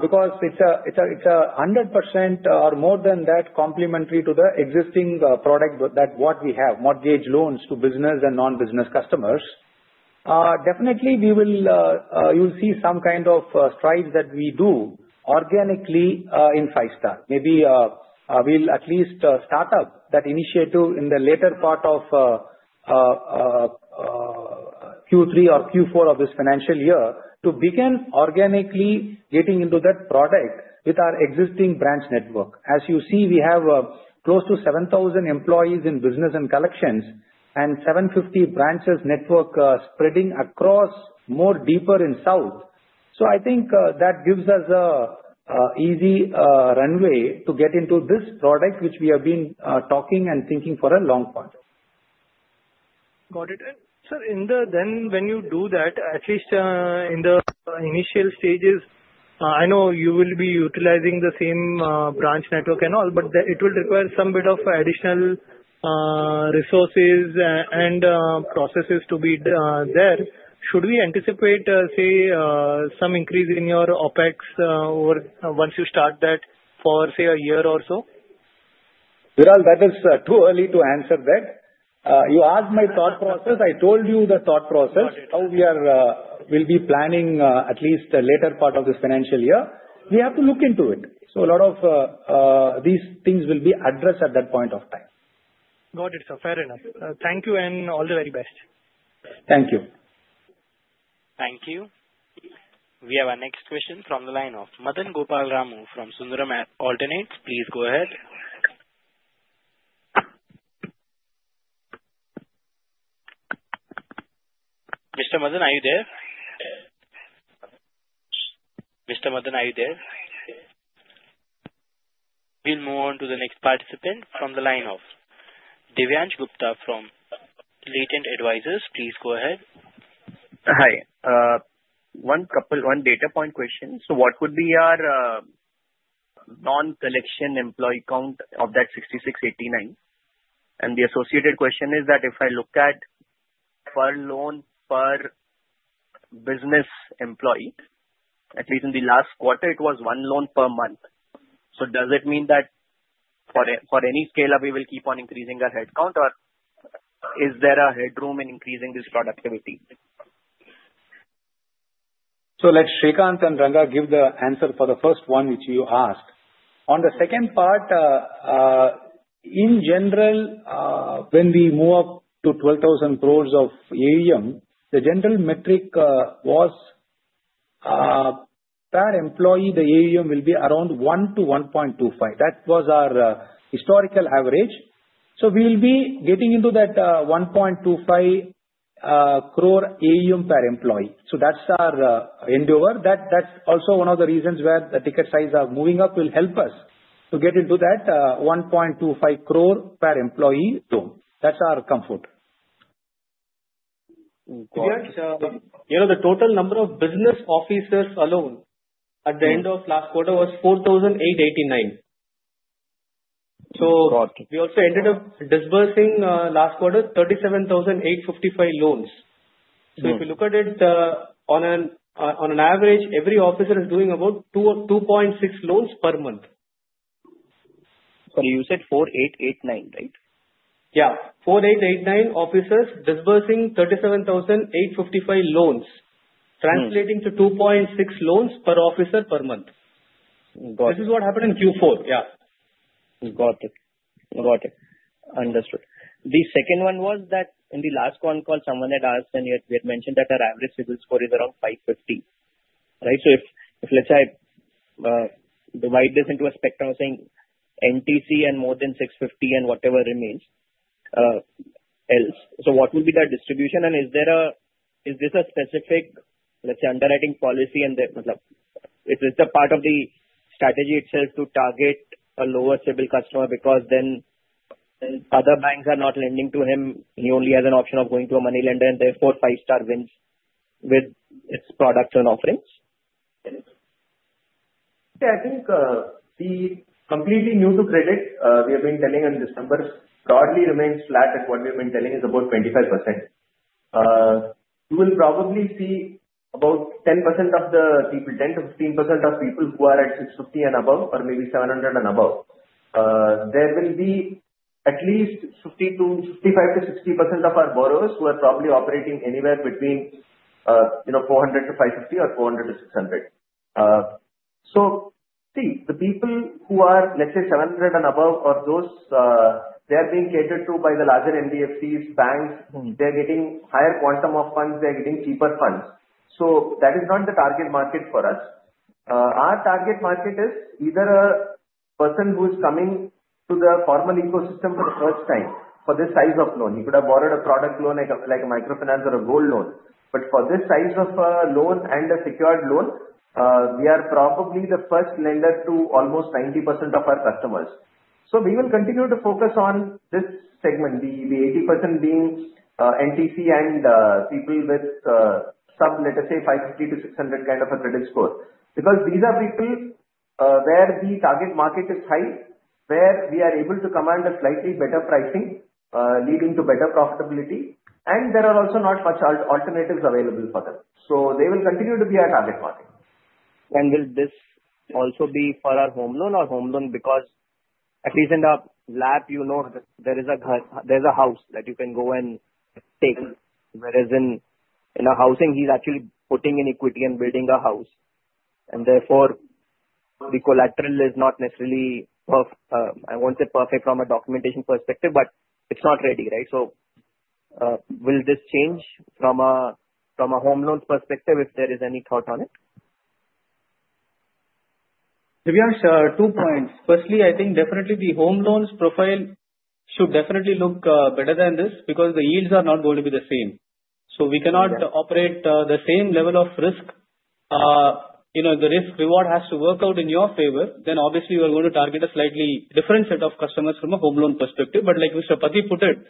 because it's 100% or more than that complementary to the existing product that what we have, mortgage loans to business and non-business customers. Definitely, you will see some kind of strides that we do organically in Five-Star. Maybe we'll at least start up that initiative in the later part of Q3 or Q4 of this financial year to begin organically getting into that product with our existing branch network. As you see, we have close to 7,000 employees in business and collections and 750 branches network spreading across more deeper in south. I think that gives us an easy runway to get into this product which we have been talking and thinking for a long time. Got it. Sir, when you do that, at least in the initial stages, I know you will be utilizing the same branch network and all, but it will require some bit of additional resources and processes to be there. Should we anticipate, say, some increase in your OpEx once you start that for, say, a year or so? Viral, that is too early to answer that. You asked my thought process. I told you the thought process, how we will be planning at least the later part of this financial year. We have to look into it. A lot of these things will be addressed at that point of time. Got it, sir. Fair enough. Thank you and all the very best. Thank you. Thank you. We have our next question from the line of Madan Gopal Ramu from Sundaram Alternates. Please go ahead. Mr. Madan, are you there? Mr. Madan, are you there? We'll move on to the next participant from the line of Divyansh Gupta from Latent Advisors. Please go ahead. Hi. One data point question. What would be our non-collection employee count of that 6,689? The associated question is that if I look at per loan per business employee, at least in the last quarter, it was one loan per month. Does it mean that for any scale-up, we will keep on increasing our headcount, or is there a headroom in increasing this productivity? Let Srikanth and Ranga give the answer for the first one which you asked. On the second part, in general, when we move up to 12,000 crore of AUM, the general metric was per employee, the AUM will be around 1 crore-1.25 crore. That was our historical average. We will be getting into that 1.25 crore AUM per employee. That is our endeavor. That is also one of the reasons where the ticket size moving up will help us to get into that 1.25 crore per employee zone. That is our comfort. Divyansh, the total number of business officers alone at the end of last quarter was 4,889. We also ended up disbursing last quarter 37,855 loans. If you look at it on an average, every officer is doing about 2.6 loans per month. Sorry, you said 4,889, right? Yeah. 4,889 officers disbursing 37,855 loans, translating to 2.6 loans per officer per month. This is what happened in Q4. Yeah. Got it. Got it. Understood. The second one was that in the last one call, someone had asked, and we had mentioned that our average CIBIL score is around 550, right? If I divide this into a spectrum of saying NTC and more than 650 and whatever remains else, what would be the distribution? Is this a specific, let's say, underwriting policy? Is it a part of the strategy itself to target a lower CIBIL customer because then other banks are not lending to him? He only has an option of going to a money lender, and therefore Five-Star wins with its products and offerings? Yeah, I think the completely new-to-credit, we have been telling on this number, broadly remains flat, and what we have been telling is about 25%. You will probably see about 10% of the people, 10%-15% of people who are at 650 and above, or maybe 700 and above. There will be at least 55%-60% of our borrowers who are probably operating anywhere between 400-550 or 400-600. See, the people who are, let's say, 700 and above, they are being catered to by the larger NBFCs, banks. They're getting higher quantum of funds. They're getting cheaper funds. That is not the target market for us. Our target market is either a person who is coming to the formal ecosystem for the first time for this size of loan. He could have borrowed a product loan like a microfinance or a gold loan. For this size of a loan and a secured loan, we are probably the first lender to almost 90% of our customers. We will continue to focus on this segment, the 80% being NTC and people with sub, let's say, 550-600 kind of a credit score. These are people where the target market is high, where we are able to command a slightly better pricing, leading to better profitability. There are also not much alternatives available for them. They will continue to be our target market. Will this also be for our home loan or home loan? Because at least in the lab, you know there is a house that you can go and take, whereas in a housing, he's actually putting in equity and building a house. Therefore, the collateral is not necessarily, I won't say perfect from a documentation perspective, but it's not ready, right? Will this change from a home loan perspective if there is any thought on it? Divyansh, two points. Firstly, I think definitely the home loans profile should definitely look better than this because the yields are not going to be the same. We cannot operate the same level of risk. The risk-reward has to work out in your favor. Obviously, we are going to target a slightly different set of customers from a home loan perspective. Like Mr. Pathy put it,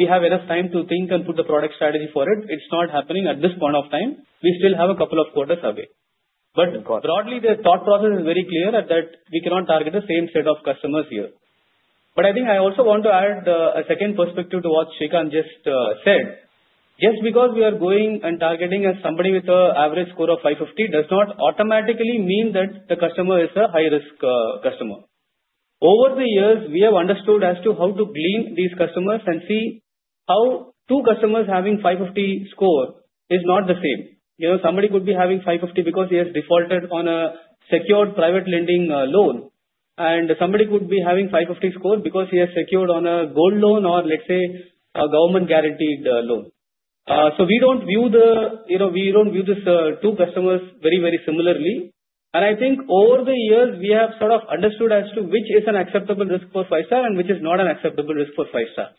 we have enough time to think and put the product strategy for it. It's not happening at this point of time. We still have a couple of quarters away. Broadly, the thought process is very clear that we cannot target the same set of customers here. I also want to add a second perspective to what Srikanth just said. Just because we are going and targeting as somebody with an average score of 550 does not automatically mean that the customer is a high-risk customer. Over the years, we have understood as to how to glean these customers and see how two customers having 550 score is not the same. Somebody could be having 550 because he has defaulted on a secured private lending loan. Somebody could be having 550 score because he has secured on a gold loan or, let's say, a government-guaranteed loan. We do not view these two customers very, very similarly. I think over the years, we have sort of understood as to which is an acceptable risk for Five-Star and which is not an acceptable risk for Five-Star.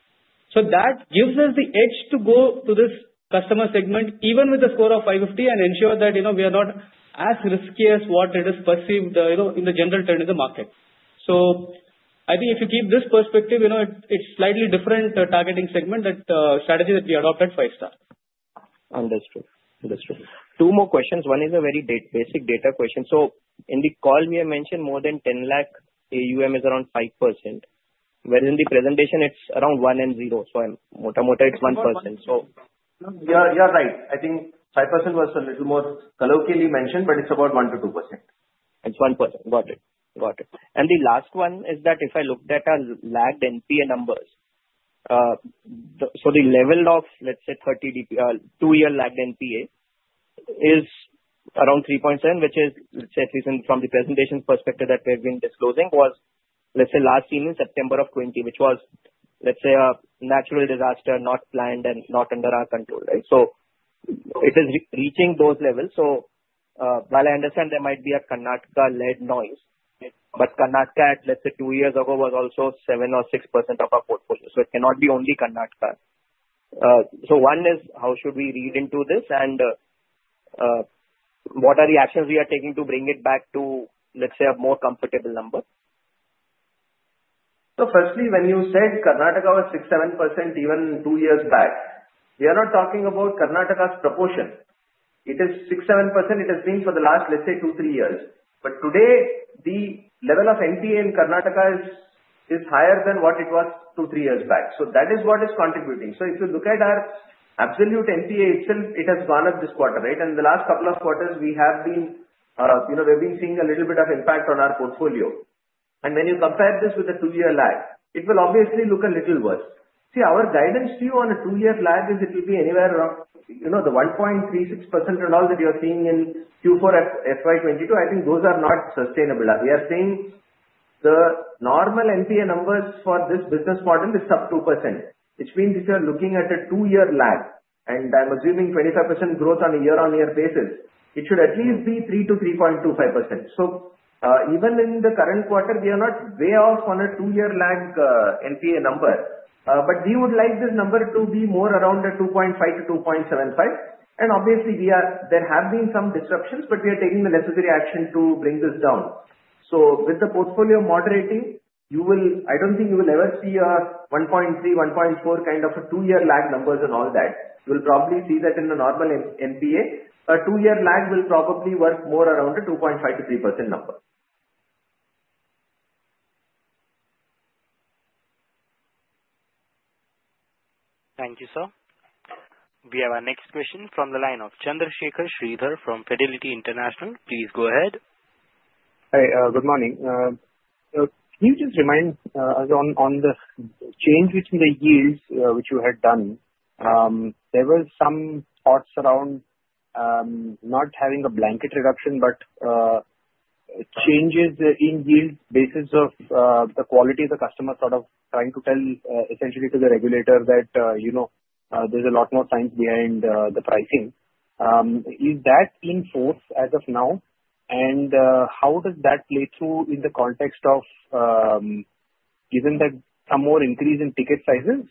That gives us the edge to go to this customer segment even with a score of 550 and ensure that we are not as risky as what it is perceived in the general turn of the market. I think if you keep this perspective, it's slightly different targeting segment, that strategy that we adopt at Five-Star. Understood. Understood. Two more questions. One is a very basic data question. In the call, we have mentioned more than 10 lakh AUM is around 5%, whereas in the presentation, it is around one and zero. In mota mota, it is 1%. You're right. I think 5% was a little more colloquially mentioned, but it's about 1%-2%. It's 1%. Got it. Got it. The last one is that if I looked at our lagged NPA numbers, the level of, let's say, 2-year lagged NPA is around 3.7%, which is, let's say, from the presentation perspective that we have been disclosing, was, let's say, last seen in September of 2020, which was, let's say, a natural disaster, not planned and not under our control, right? It is reaching those levels. While I understand there might be a Karnataka-led noise, Karnataka, let's say, two years ago was also 7% or 6% of our portfolio. It cannot be only Karnataka. One is how should we read into this? What are the actions we are taking to bring it back to, let's say, a more comfortable number? Firstly, when you said Karnataka was 6%-7% even two years back, we are not talking about Karnataka's proportion. It is 6%-7%. It has been for the last, let's say, two or three years. Today, the level of NPA in Karnataka is higher than what it was two or three years back. That is what is contributing. If you look at our absolute NPA itself, it has gone up this quarter, right? The last couple of quarters, we have been seeing a little bit of impact on our portfolio. When you compare this with the two-year lag, it will obviously look a little worse. Our guidance view on a two-year lag is it will be anywhere around the 1.36% and all that you are seeing in Q4 FY 2022. I think those are not sustainable. We are seeing the normal NPA numbers for this business model is sub 2%, which means if you are looking at a two-year lag, and I'm assuming 25% growth on a year-on-year basis, it should at least be 3%-3.25%. Even in the current quarter, we are not way off on a two-year lag NPA number. We would like this number to be more around 2.5%-2.75%. Obviously, there have been some disruptions, but we are taking the necessary action to bring this down. With the portfolio moderating, I do not think you will ever see a 1.3%-1.4% kind of a two-year lag numbers and all that. You will probably see that in a normal NPA. A two-year lag will probably work more around a 2.5%-3% number. Thank you, sir. We have our next question from the line of Chandrasekhar Sridhar from Fidelity International. Please go ahead. Hi. Good morning. Can you just remind us on the change which in the years which you had done, there were some thoughts around not having a blanket reduction, but changes in yields basis of the quality of the customer, sort of trying to tell essentially to the regulator that there's a lot more science behind the pricing. Is that in force as of now? How does that play through in the context of given that some more increase in ticket sizes?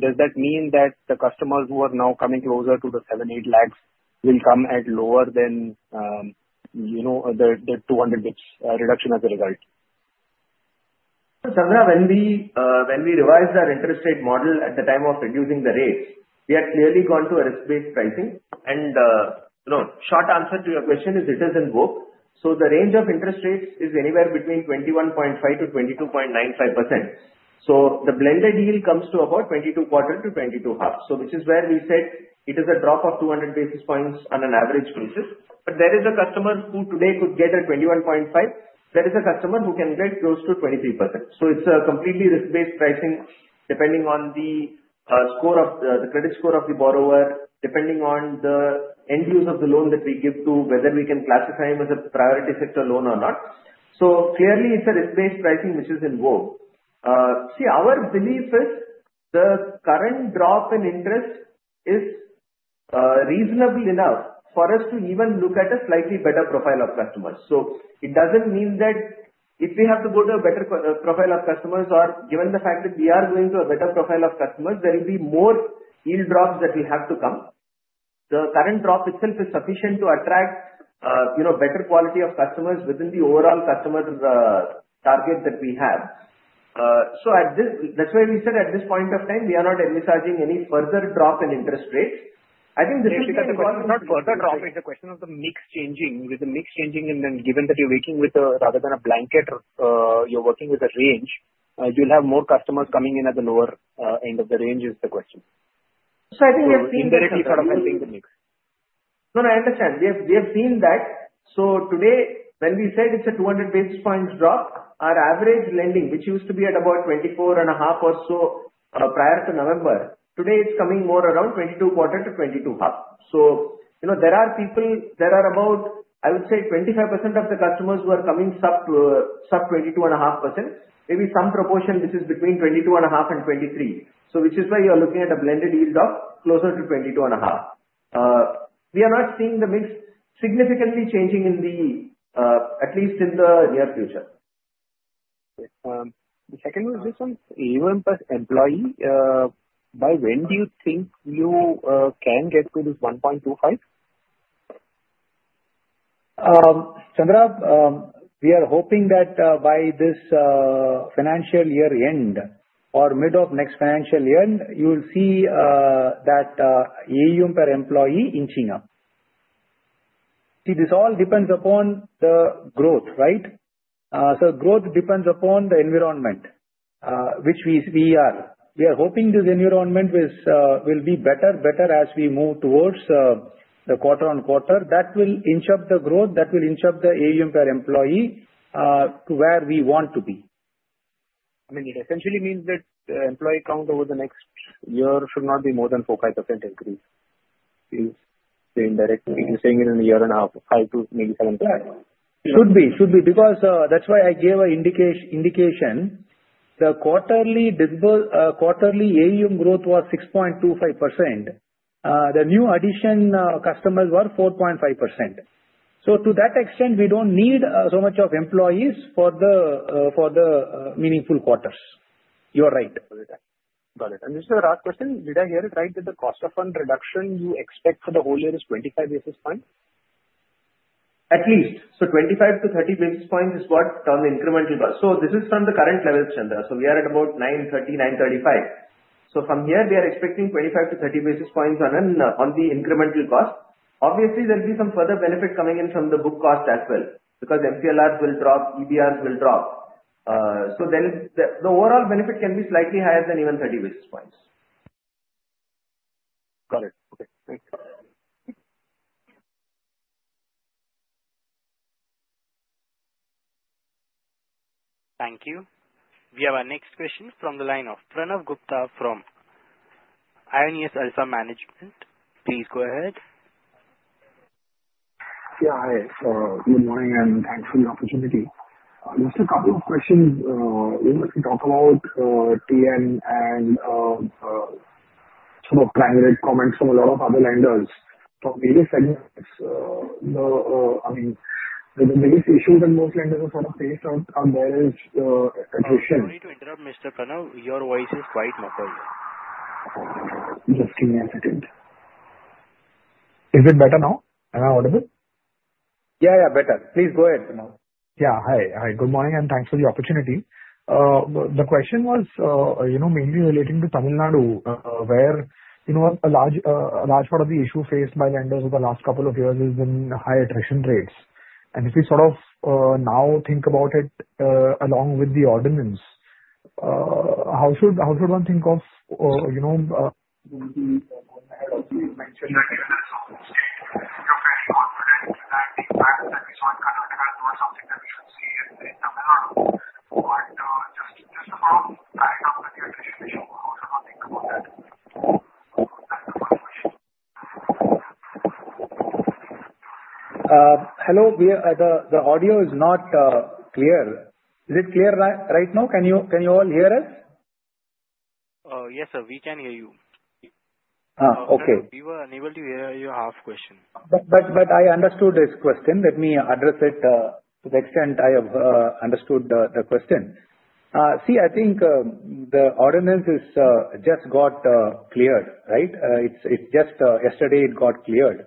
Does that mean that the customers who are now coming closer to the 7 lakh-8 lakh will come at lower than the 200 bps reduction as a result? Chandra, when we revised our interest rate model at the time of reducing the rates, we had clearly gone to a risk-based pricing. Short answer to your question is it has not worked. The range of interest rates is anywhere between 21.5%-22.95%. The blended yield comes to about 22.25%-22.5%, which is where we said it is a drop of 200 basis points on an average basis. There is a customer who today could get a 21.5%. There is a customer who can get close to 23%. It is a completely risk-based pricing depending on the score of the credit score of the borrower, depending on the end use of the loan that we give to, whether we can classify him as a priority sector loan or not. Clearly, it is a risk-based pricing which is involved. See, our belief is the current drop in interest is reasonable enough for us to even look at a slightly better profile of customers. It does not mean that if we have to go to a better profile of customers or given the fact that we are going to a better profile of customers, there will be more yield drops that will have to come. The current drop itself is sufficient to attract better quality of customers within the overall customer target that we have. That is why we said at this point of time, we are not advertising any further drop in interest rates. I think this is the question. If we talk about further drop, it's a question of the mix changing. With the mix changing, and then given that you're working with a rather than a blanket, you're working with a range, you'll have more customers coming in at the lower end of the range is the question. I think we have seen that. We have been directly sort of helping the mix. No, no, I understand. We have seen that. Today, when we said it is a 200 basis points drop, our average lending, which used to be at about 24.5% or so prior to November, today it is coming more around 22.25%-22.5%. There are people, there are about, I would say, 25% of the customers who are coming sub 22.5%. Maybe some proportion which is between 22.5% and 23%, which is why you are looking at a blended yield of closer to 22.5%. We are not seeing the mix significantly changing, at least in the near future. The second one is this one, AUM per employee. By when do you think you can get to this 1.25 crore? Chandra, we are hoping that by this financial year end or mid of next financial year, you will see that AUM per employee inching up. See, this all depends upon the growth, right? Growth depends upon the environment which we are. We are hoping this environment will be better as we move towards the quarter-on-quarter. That will inch up the growth. That will inch up the AUM per employee to where we want to be. I mean, it essentially means that the employee count over the next year should not be more than 4%-5% increase. You're saying in a year and a half, 5% to maybe 7%. Should be. Should be. Because that's why I gave an indication. The quarterly AUM growth was 6.25%. The new addition customers were 4.5%. To that extent, we don't need so much of employees for the meaningful quarters. You're right. Got it. Got it. This is the last question. Did I hear it right that the cost of fund reduction you expect for the whole year is 25 basis points? At least. 25-30 basis points is what on the incremental cost. This is from the current level, Chandra. We are at about 930, 935. From here, we are expecting 25-30 basis points on the incremental cost. Obviously, there will be some further benefit coming in from the book cost as well because MCLRs will drop, EBRs will drop. The overall benefit can be slightly higher than even 30 basis points. Got it. Okay. Thank you. Thank you. We have our next question from the line of Pranav Gupta from Aionios Alpha Management. Please go ahead. Yeah. Hi. Good morning and thanks for the opportunity. Just a couple of questions. We want to talk about TN and some of private comments from a lot of other lenders from various segments. I mean, the biggest issues that most lenders are sort of faced are various attrition. Sorry to interrupt, Mr. Pranav. Your voice is quite muffled. Just give me a second. Is it better now? Am I audible? Yeah, yeah. Better. Please go ahead, Pranav. Yeah. Hi. Hi. Good morning and thanks for the opportunity. The question was mainly relating to Tamil Nadu, where a large part of the issue faced by lenders over the last couple of years has been high attrition rates. If we sort of now think about it along with the ordinance, how should one think of. Maybe one ahead of you mentioned that you're very confident that the impact that we saw in Karnataka is not something that we should see in Tamil Nadu. Just to sort of tie it up with the attrition issue, how should one think about that? That's the first question. Hello. The audio is not clear. Is it clear right now? Can you all hear us? Yes, sir. We can hear you. Okay. We were unable to hear your half question. I understood this question. Let me address it to the extent I have understood the question. I think the ordinance has just got cleared, right? Yesterday, it got cleared.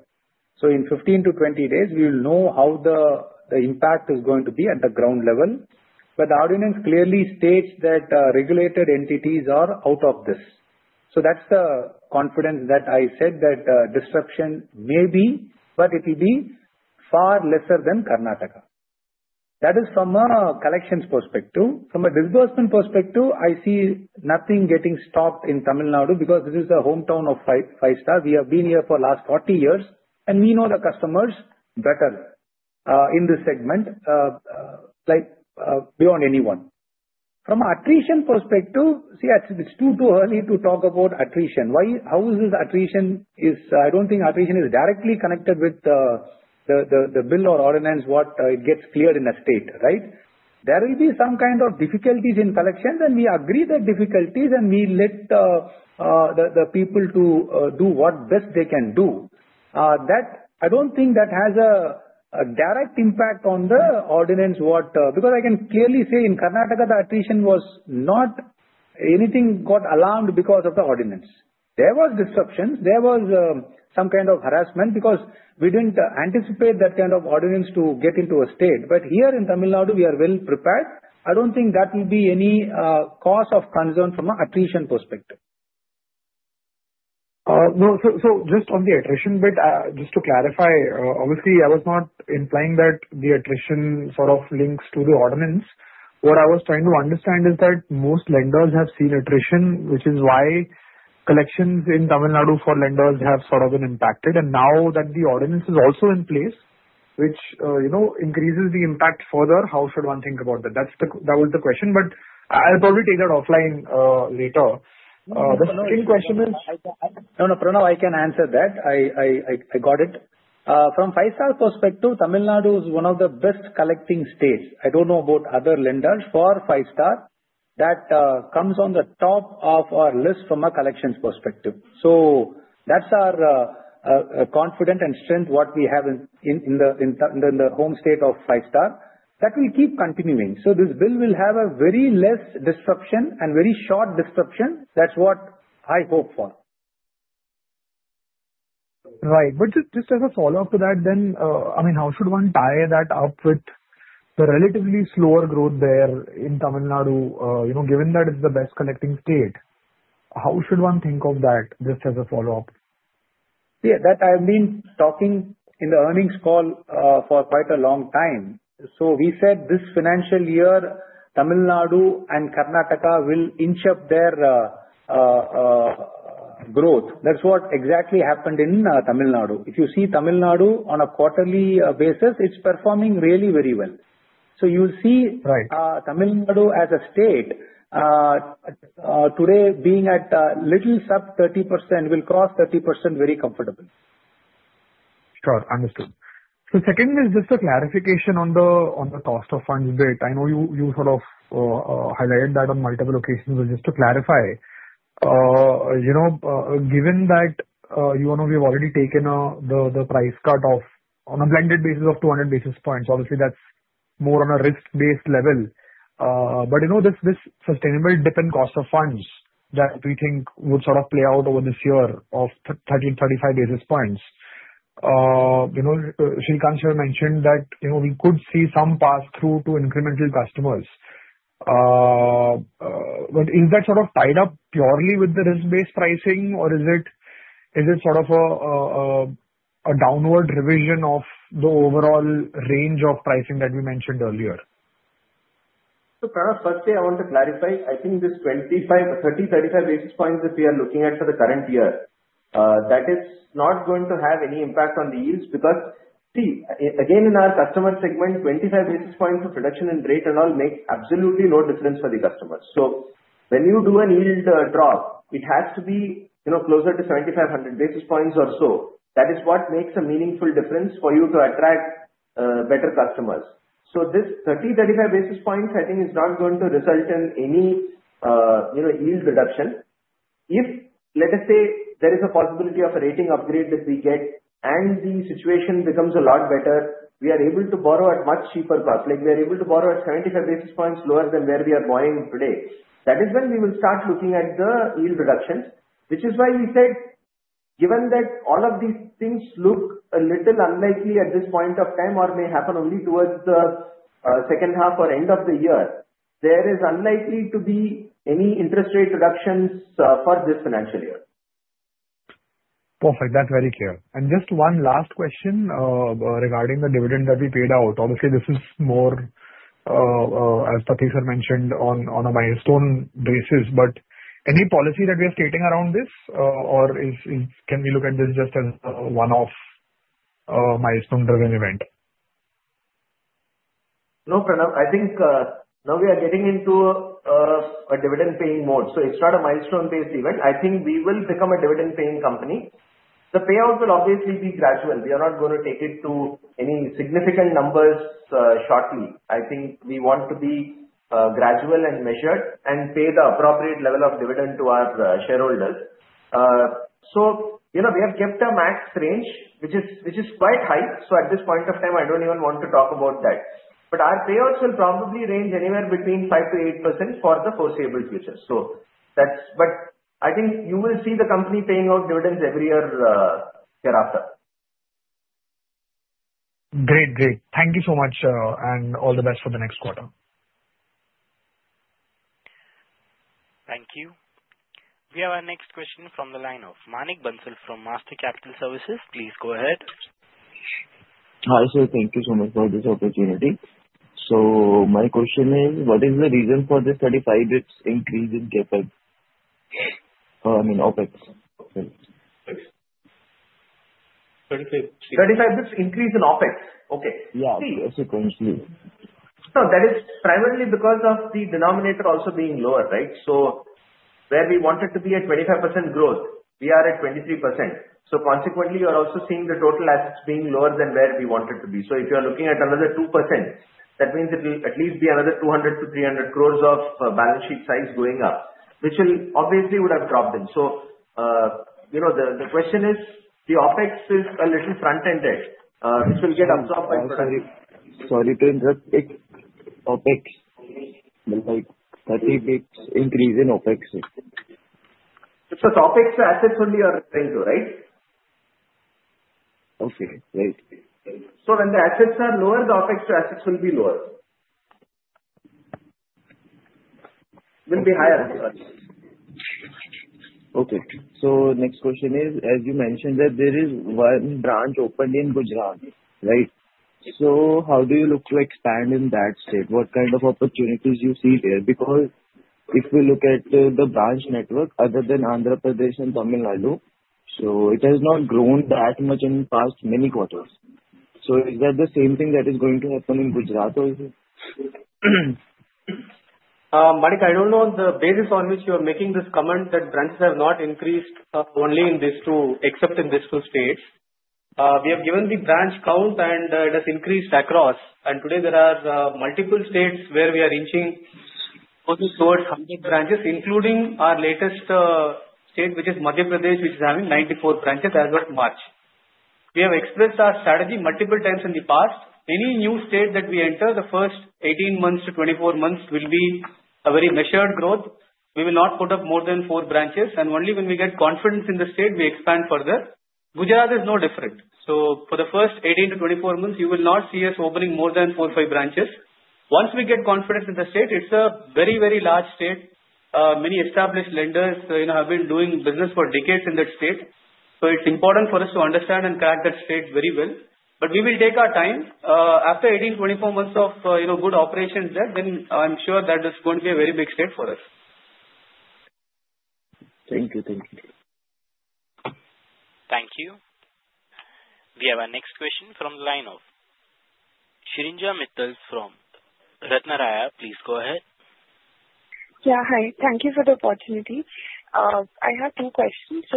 In 15-20 days, we will know how the impact is going to be at the ground level. The ordinance clearly states that regulated entities are out of this. That is the confidence that I said that disruption may be, but it will be far lesser than Karnataka. That is from a collections perspective. From a disbursement perspective, I see nothing getting stopped in Tamil Nadu because this is the hometown of Five-Star. We have been here for the last 40 years, and we know the customers better in this segment beyond anyone. From an attrition perspective, it is too early to talk about attrition. I don't think attrition is directly connected with the bill or ordinance, what it gets cleared in the state, right? There will be some kind of difficulties in collections, and we agree the difficulties, and we let the people do what best they can do. I don't think that has a direct impact on the ordinance because I can clearly say in Karnataka, the attrition was not anything got alarmed because of the ordinance. There were disruptions. There was some kind of harassment because we didn't anticipate that kind of ordinance to get into a state. Here in Tamil Nadu, we are well prepared. I don't think that will be any cause of concern from an attrition perspective. No. Just on the attrition bit, just to clarify, obviously, I was not implying that the attrition sort of links to the ordinance. What I was trying to understand is that most lenders have seen attrition, which is why collections in Tamil Nadu for lenders have sort of been impacted. Now that the ordinance is also in place, which increases the impact further, how should one think about that? That was the question. I'll probably take that offline later. The same question is. No, no. Pranav, I can answer that. I got it. From Five-Star perspective, Tamil Nadu is one of the best collecting states. I do not know about other lenders for Five-Star. That comes on the top of our list from a collections perspective. That is our confidence and strength, what we have in the home state of Five-Star. That will keep continuing. This bill will have very less disruption and very short disruption. That is what I hope for. Right. Just as a follow-up to that, I mean, how should one tie that up with the relatively slower growth there in Tamil Nadu, given that it's the best collecting state? How should one think of that just as a follow-up? See, that I've been talking in the earnings call for quite a long time. We said this financial year, Tamil Nadu and Karnataka will inch up their growth. That's what exactly happened in Tamil Nadu. If you see Tamil Nadu on a quarterly basis, it's performing really very well. You will see Tamil Nadu as a state, today being at a little sub 30%, will cross 30% very comfortably. Sure. Understood. Second is just a clarification on the cost of funds bit. I know you sort of highlighted that on multiple occasions. Just to clarify, given that you and we have already taken the price cut on a blended basis of 200 basis points, obviously, that is more on a risk-based level. This sustainable dip in cost of funds that we think would sort of play out over this year of 30-35 basis points. Srikanth sir mentioned that we could see some pass-through to incremental customers. Is that sort of tied up purely with the risk-based pricing, or is it sort of a downward revision of the overall range of pricing that we mentioned earlier? Pranav, firstly, I want to clarify. I think this 30-35 basis points that we are looking at for the current year, that is not going to have any impact on the yields because, see, again, in our customer segment, 25 basis points of reduction in rate and all makes absolutely no difference for the customers. When you do a yield drop, it has to be closer to 7,500 basis points or so. That is what makes a meaningful difference for you to attract better customers. This 30-35 basis points, I think, is not going to result in any yield reduction. If, let us say, there is a possibility of a rating upgrade that we get and the situation becomes a lot better, we are able to borrow at much cheaper cost. We are able to borrow at 75 basis points lower than where we are borrowing today. That is when we will start looking at the yield reductions, which is why we said, given that all of these things look a little unlikely at this point of time or may happen only towards the second half or end of the year, there is unlikely to be any interest rate reductions for this financial year. Perfect. That's very clear. Just one last question regarding the dividend that we paid out. Obviously, this is more, as Pathy sir mentioned, on a milestone basis. Any policy that we are stating around this, or can we look at this just as one-off milestone-driven event? No, Pranav. I think now we are getting into a dividend-paying mode. It is not a milestone-based event. I think we will become a dividend-paying company. The payout will obviously be gradual. We are not going to take it to any significant numbers shortly. I think we want to be gradual and measured and pay the appropriate level of dividend to our shareholders. We have kept a max range, which is quite high. At this point of time, I do not even want to talk about that. Our payouts will probably range anywhere between 5%-8% for the foreseeable future. I think you will see the company paying out dividends every year hereafter. Great. Great. Thank you so much. All the best for the next quarter. Thank you. We have our next question from the line of Manik Bansal from Master Capital Services. Please go ahead. Hi, sir. Thank you so much for this opportunity. My question is, what is the reason for the 35 basis points increase in OpEx? 35 basis points increase in OpEx. Okay. Yeah. Sequentially. No, that is primarily because of the denominator also being lower, right? Where we wanted to be at 25% growth, we are at 23%. Consequently, you are also seeing the total assets being lower than where we wanted to be. If you are looking at another 2%, that means it will at least be another 200 crore-300 crore of balance sheet size going up, which will obviously have dropped in. The question is, the OpEx is a little front-ended, which will get absorbed by. Sorry, OpEx. 30 basis points increase in OpEx. Because OpEx to assets only are going to, right? Okay. Right. When the assets are lower, the OpEx to assets will be higher. Okay. Next question is, as you mentioned, that there is one branch opened in Gujarat, right? How do you look to expand in that state? What kind of opportunities do you see there? Because if we look at the branch network, other than Andhra Pradesh and Tamil Nadu, it has not grown that much in the past many quarters. Is that the same thing that is going to happen in Gujarat also? Manik, I do not know on the basis on which you are making this comment that branches have not increased only except in these two states. We have given the branch count, and it has increased across. Today, there are multiple states where we are inching only towards 100 branches, including our latest state, which is Madhya Pradesh, which is having 94 branches as of March. We have expressed our strategy multiple times in the past. Any new state that we enter, the first 18 months to 24 months will be a very measured growth. We will not put up more than four branches. Only when we get confidence in the state, we expand further. Gujarat is no different. For the first 18 to 24 months, you will not see us opening more than four or five branches. Once we get confidence in the state, it's a very, very large state. Many established lenders have been doing business for decades in that state. It is important for us to understand and crack that state very well. We will take our time. After 18-24 months of good operations there, I'm sure that it's going to be a very big state for us. Thank you. Thank you. Thank you. We have our next question from the line of Shrinjana Mittal from RatnaTraya. Please go ahead. Yeah. Hi. Thank you for the opportunity. I have two questions.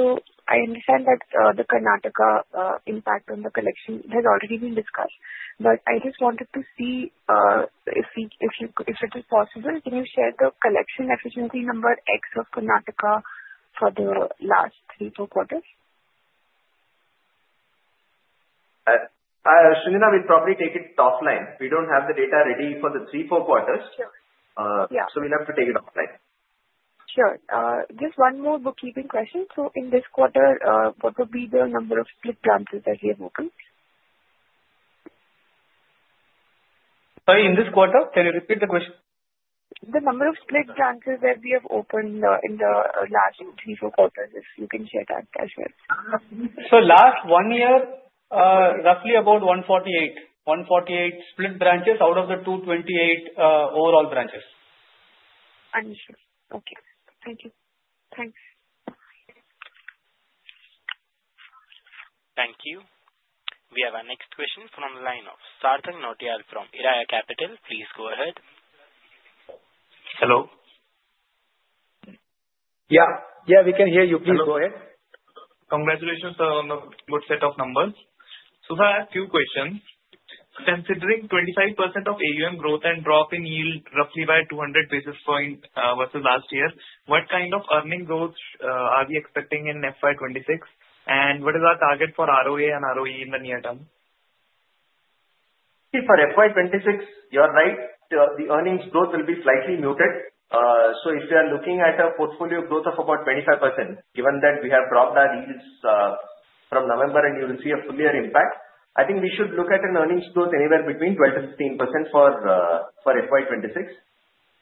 I understand that the Karnataka impact on the collection has already been discussed. I just wanted to see if it is possible, can you share the collection efficiency number X of Karnataka for the last three, four quarters? Shrinjana, we'll probably take it offline. We don't have the data ready for the three, four quarters. So we'll have to take it offline. Sure. Just one more bookkeeping question. In this quarter, what would be the number of split branches that we have opened? Sorry, in this quarter? Can you repeat the question? The number of split branches that we have opened in the last three, four quarters, if you can share that as well. Last one year, roughly about 148 split branches out of the 228 overall branches. Understood. Okay. Thank you. Thanks. Thank you. We have our next question from the line of Sarthak Nautiyal from ERAYA Capital. Please go ahead. Hello. Yeah. Yeah, we can hear you. Please go ahead. Congratulations on a good set of numbers. I have a few questions. Considering 25% of AUM growth and drop in yield roughly by 200 basis points versus last year, what kind of earning growth are we expecting in FY 2026? What is our target for ROA and ROE in the near term? See, for FY 2026, you are right. The earnings growth will be slightly muted. If you are looking at a portfolio growth of about 25%, given that we have dropped our yields from November, and you will see a fuller impact, I think we should look at an earnings growth anywhere between 12%-15% for FY 2026.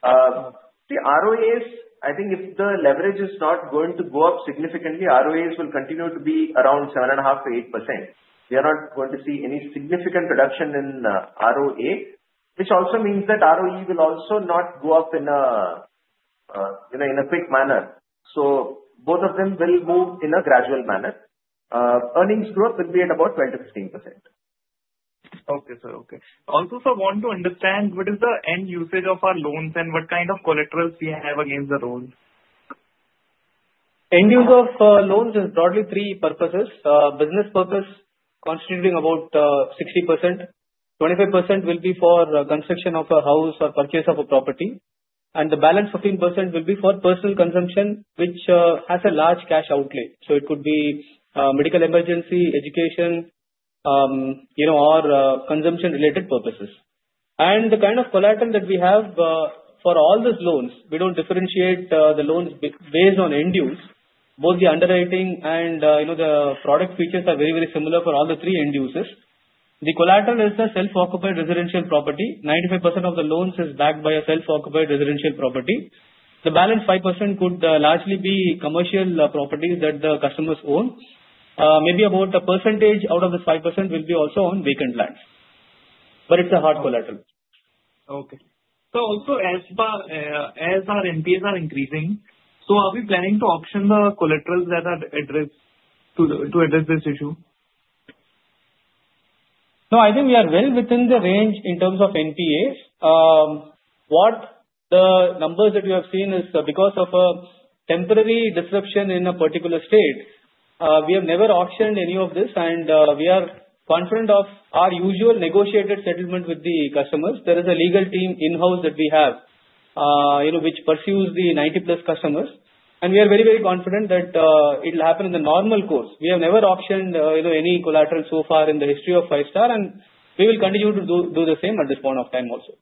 The ROAs, I think if the leverage is not going to go up significantly, ROAs will continue to be around 7.5%-8%. We are not going to see any significant reduction in ROA, which also means that ROE will also not go up in a quick manner. Both of them will move in a gradual manner. Earnings growth will be at about 12%-15%. Okay, sir. Okay. Also, I want to understand what is the end usage of our loans and what kind of collaterals we have against the loans. End use of loans is broadly three purposes. Business purpose constituting about 60%. 25% will be for construction of a house or purchase of a property. The balance 15% will be for personal consumption, which has a large cash outlay. It could be medical emergency, education, or consumption-related purposes. The kind of collateral that we have for all these loans, we do not differentiate the loans based on end use. Both the underwriting and the product features are very, very similar for all the three end uses. The collateral is the self-occupied residential property. 95% of the loans is backed by a self-occupied residential property. The balance 5% could largely be commercial properties that the customers own. Maybe about a percentage out of the 5% will be also on vacant lands. It is a hard collateral. Okay. Also, as our NPAs are increasing, are we planning to auction the collaterals that are addressed to address this issue? No, I think we are well within the range in terms of NPAs. What the numbers that you have seen is because of a temporary disruption in a particular state, we have never auctioned any of this. We are confident of our usual negotiated settlement with the customers. There is a legal team in-house that we have, which pursues the 90+ customers. We are very, very confident that it will happen in the normal course. We have never auctioned any collateral so far in the history of Five-Star, and we will continue to do the same at this point of time also.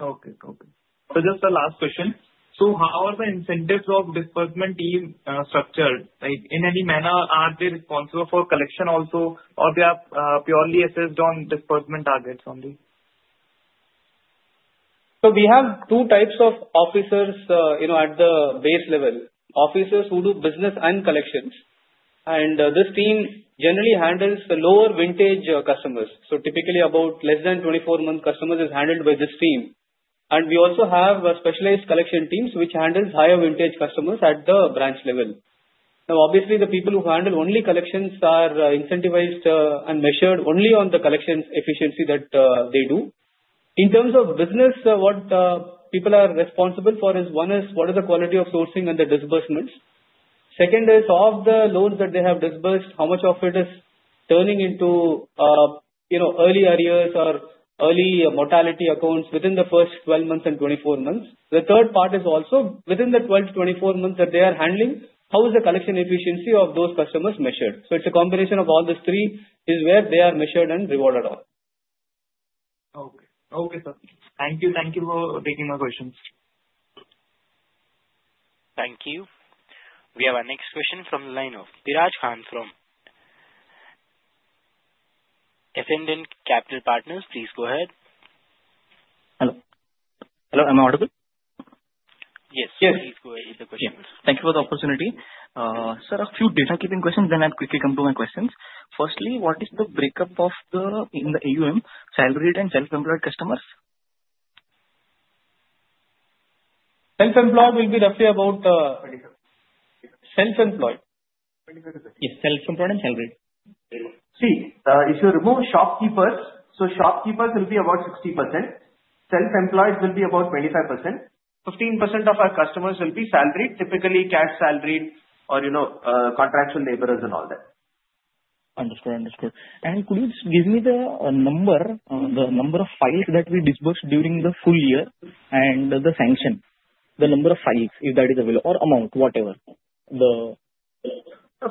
Okay. Okay. Just the last question. How are the incentives of disbursement team structured? In any manner, are they responsible for collection also, or are they purely assessed on disbursement targets only? We have two types of officers at the base level. Officers who do business and collections. This team generally handles the lower vintage customers. Typically, about less than 24-month customers is handled by this team. We also have specialized collection teams, which handle higher vintage customers at the branch level. Obviously, the people who handle only collections are incentivized and measured only on the collection efficiency that they do. In terms of business, what people are responsible for is, one is what is the quality of sourcing and the disbursements. Second is, of the loans that they have disbursed, how much of it is turning into early arrears or early mortality accounts within the first 12 months and 24 months. The third part is also within the 12 to 24 months that they are handling, how is the collection efficiency of those customers measured? It is a combination of all these three is where they are measured and rewarded on. Okay. Okay, sir. Thank you. Thank you for taking my questions. Thank you. We have our next question from the line of [Diraj Khan] from Ascendant Capital Partners. Please go ahead. Hello. Hello. Am I audible? Yes. Yes. Please go ahead with the questions. Yes. Thank you for the opportunity. Sir, a few data-keeping questions, then I'll quickly come to my questions. Firstly, what is the breakup of the AUM, salaried, and self-employed customers? Self-employed will be roughly about. 25%. Self-employed. 25%. Yes. Self-employed and salaried. See, if you remove shopkeepers, shopkeepers will be about 60%. Self-employed will be about 25%. 15% of our customers will be salaried, typically cash salaried or contractual laborers and all that. Understood. Understood. Could you just give me the number of files that we disburse during the full year and the sanction, the number of files, if that is available, or amount, whatever? The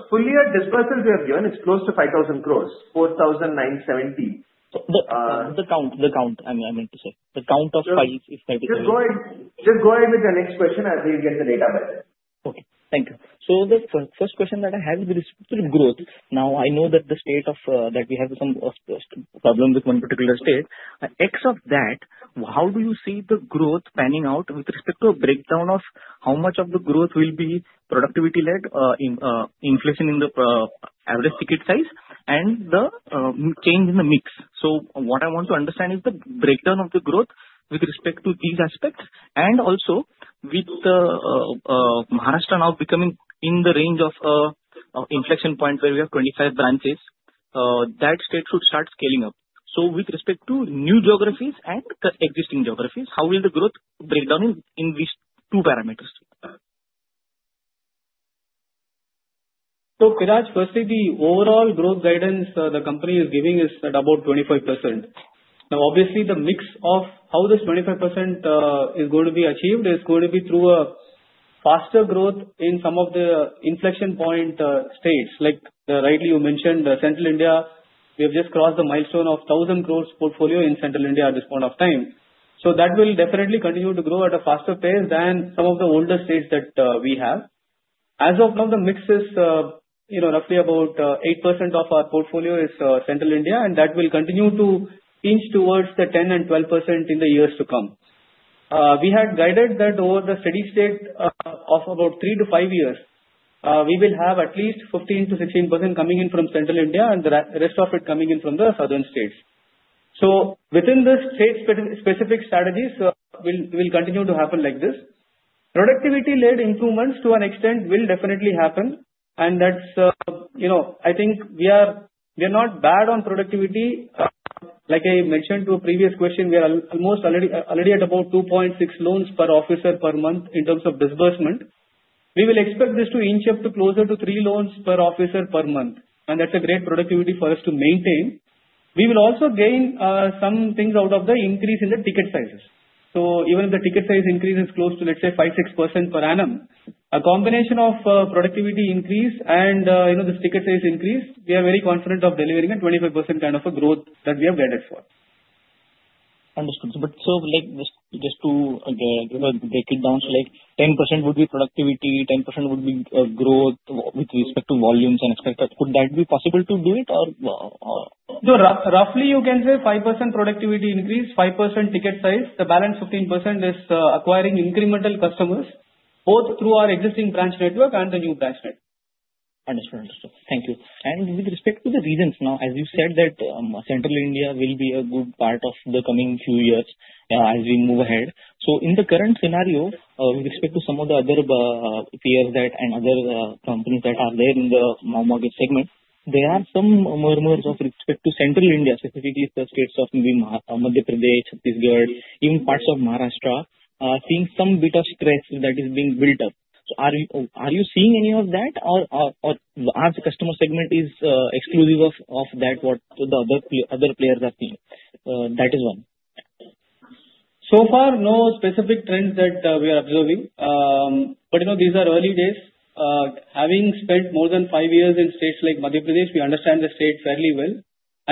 full year disbursements we have given is close to 5,000 crore, 4,970 crore. The count. The count. I meant to say the count of files, if that is available. Just go ahead with the next question as we get the data by then. Okay. Thank you. The first question that I have is with respect to the growth. Now, I know that the state of that we have some problem with one particular state. X of that, how do you see the growth panning out with respect to a breakdown of how much of the growth will be productivity-led, inflation in the average ticket size, and the change in the mix? What I want to understand is the breakdown of the growth with respect to these aspects. Also, with Maharashtra now becoming in the range of inflection point where we have 25 branches, that state should start scaling up. With respect to new geographies and existing geographies, how will the growth break down in these two parameters? Firstly, the overall growth guidance the company is giving is at about 25%. Now, obviously, the mix of how this 25% is going to be achieved is going to be through a faster growth in some of the inflection point states. Like rightly you mentioned, Central India, we have just crossed the milestone of 1,000 crore portfolio in Central India at this point of time. That will definitely continue to grow at a faster pace than some of the older states that we have. As of now, the mix is roughly about 8% of our portfolio is Central India, and that will continue to inch towards the 10%-12% in the years to come. We had guided that over the steady state of about three to five years, we will have at least 15%-16% coming in from Central India and the rest of it coming in from the southern states. Within the state-specific strategies, we will continue to happen like this. Productivity-led improvements to an extent will definitely happen. I think we are not bad on productivity. Like I mentioned to a previous question, we are almost already at about 2.6 loans per officer per month in terms of disbursement. We will expect this to inch up to closer to three loans per officer per month. That is a great productivity for us to maintain. We will also gain some things out of the increase in the ticket sizes. Even if the ticket size increase is close to, let's say, 5%-6% per annum, a combination of productivity increase and this ticket size increase, we are very confident of delivering a 25% kind of a growth that we have guided for. Understood. Just to break it down, 10% would be productivity, 10% would be growth with respect to volumes and expected. Could that be possible to do it, or? Roughly, you can say 5% productivity increase, 5% ticket size. The balance 15% is acquiring incremental customers, both through our existing branch network and the new branch network. Understood. Understood. Thank you. With respect to the reasons, now, as you said that Central India will be a good part of the coming few years as we move ahead. In the current scenario, with respect to some of the other peers and other companies that are there in the market segment, there are some murmurs with respect to Central India, specifically the states of Madhya Pradesh, Chhattisgarh, even parts of Maharashtra, seeing some bit of stress that is being built up. Are you seeing any of that, or is the customer segment exclusive of that, what the other players are seeing? That is one. No specific trends that we are observing. These are early days. Having spent more than five years in states like Madhya Pradesh, we understand the state fairly well.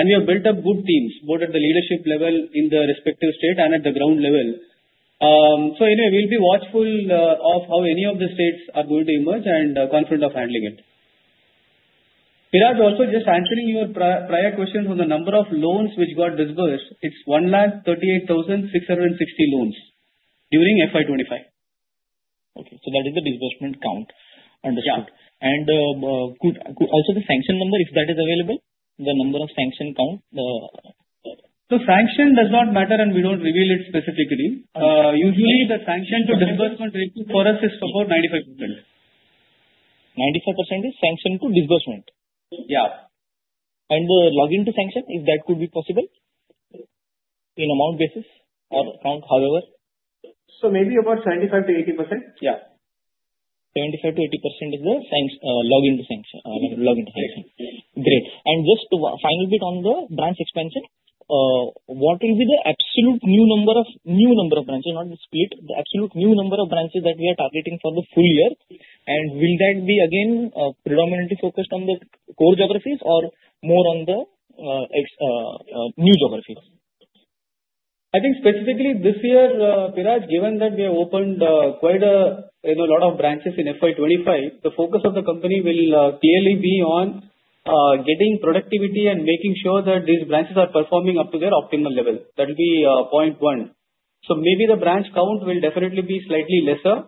We have built up good teams, both at the leadership level in the respective state and at the ground level. We will be watchful of how any of the states are going to emerge and confident of handling it. [Diraj], also just answering your prior question on the number of loans which got disbursed, it is 138,660 loans during FY 2025. Okay. That is the disbursement count. Understood. Yeah. Also the sanction number, if that is available, the number of sanction count? The sanction does not matter, and we don't reveal it specifically. Usually, the sanction to disbursement for us is about 95%. 95% is sanction to disbursement? Yeah. The login to sanction, if that could be possible in amount basis or count, however? Maybe about 75%-80%. Yeah. 75%-80% is the login to sanction. Yes. Great. Just a final bit on the branch expansion. What will be the absolute new number of branches, not the split, the absolute new number of branches that we are targeting for the full year? Will that be again predominantly focused on the core geographies or more on the new geographies? I think specifically this year, Pratheej, given that we have opened quite a lot of branches in FY 2025, the focus of the company will clearly be on getting productivity and making sure that these branches are performing up to their optimal level. That will be point one. Maybe the branch count will definitely be slightly lesser.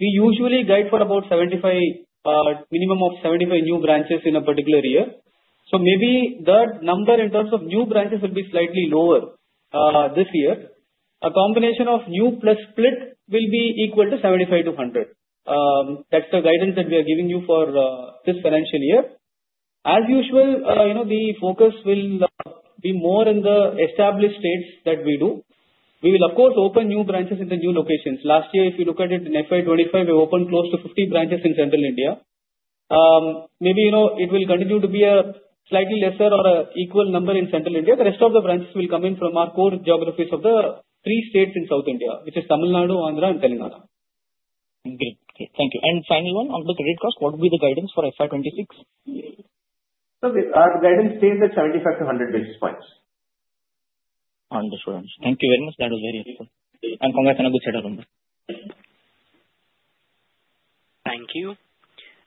We usually guide for about minimum of 75 new branches in a particular year. Maybe the number in terms of new branches will be slightly lower this year. A combination of new plus split will be equal to 75-100. That is the guidance that we are giving you for this financial year. As usual, the focus will be more in the established states that we do. We will, of course, open new branches in the new locations. Last year, if you look at it in FY 2025, we opened close to 50 branches in Central India. Maybe it will continue to be a slightly lesser or equal number in Central India. The rest of the branches will come in from our core geographies of the three states in South India, which is Tamil Nadu, Andhra, and Telangana. Great. Thank you. Final one, on the credit cost, what will be the guidance for FY 2026? Our guidance stays at 75-100 basis points. Understood. Thank you very much. That was very helpful. Congrats on a good setup. Thank you.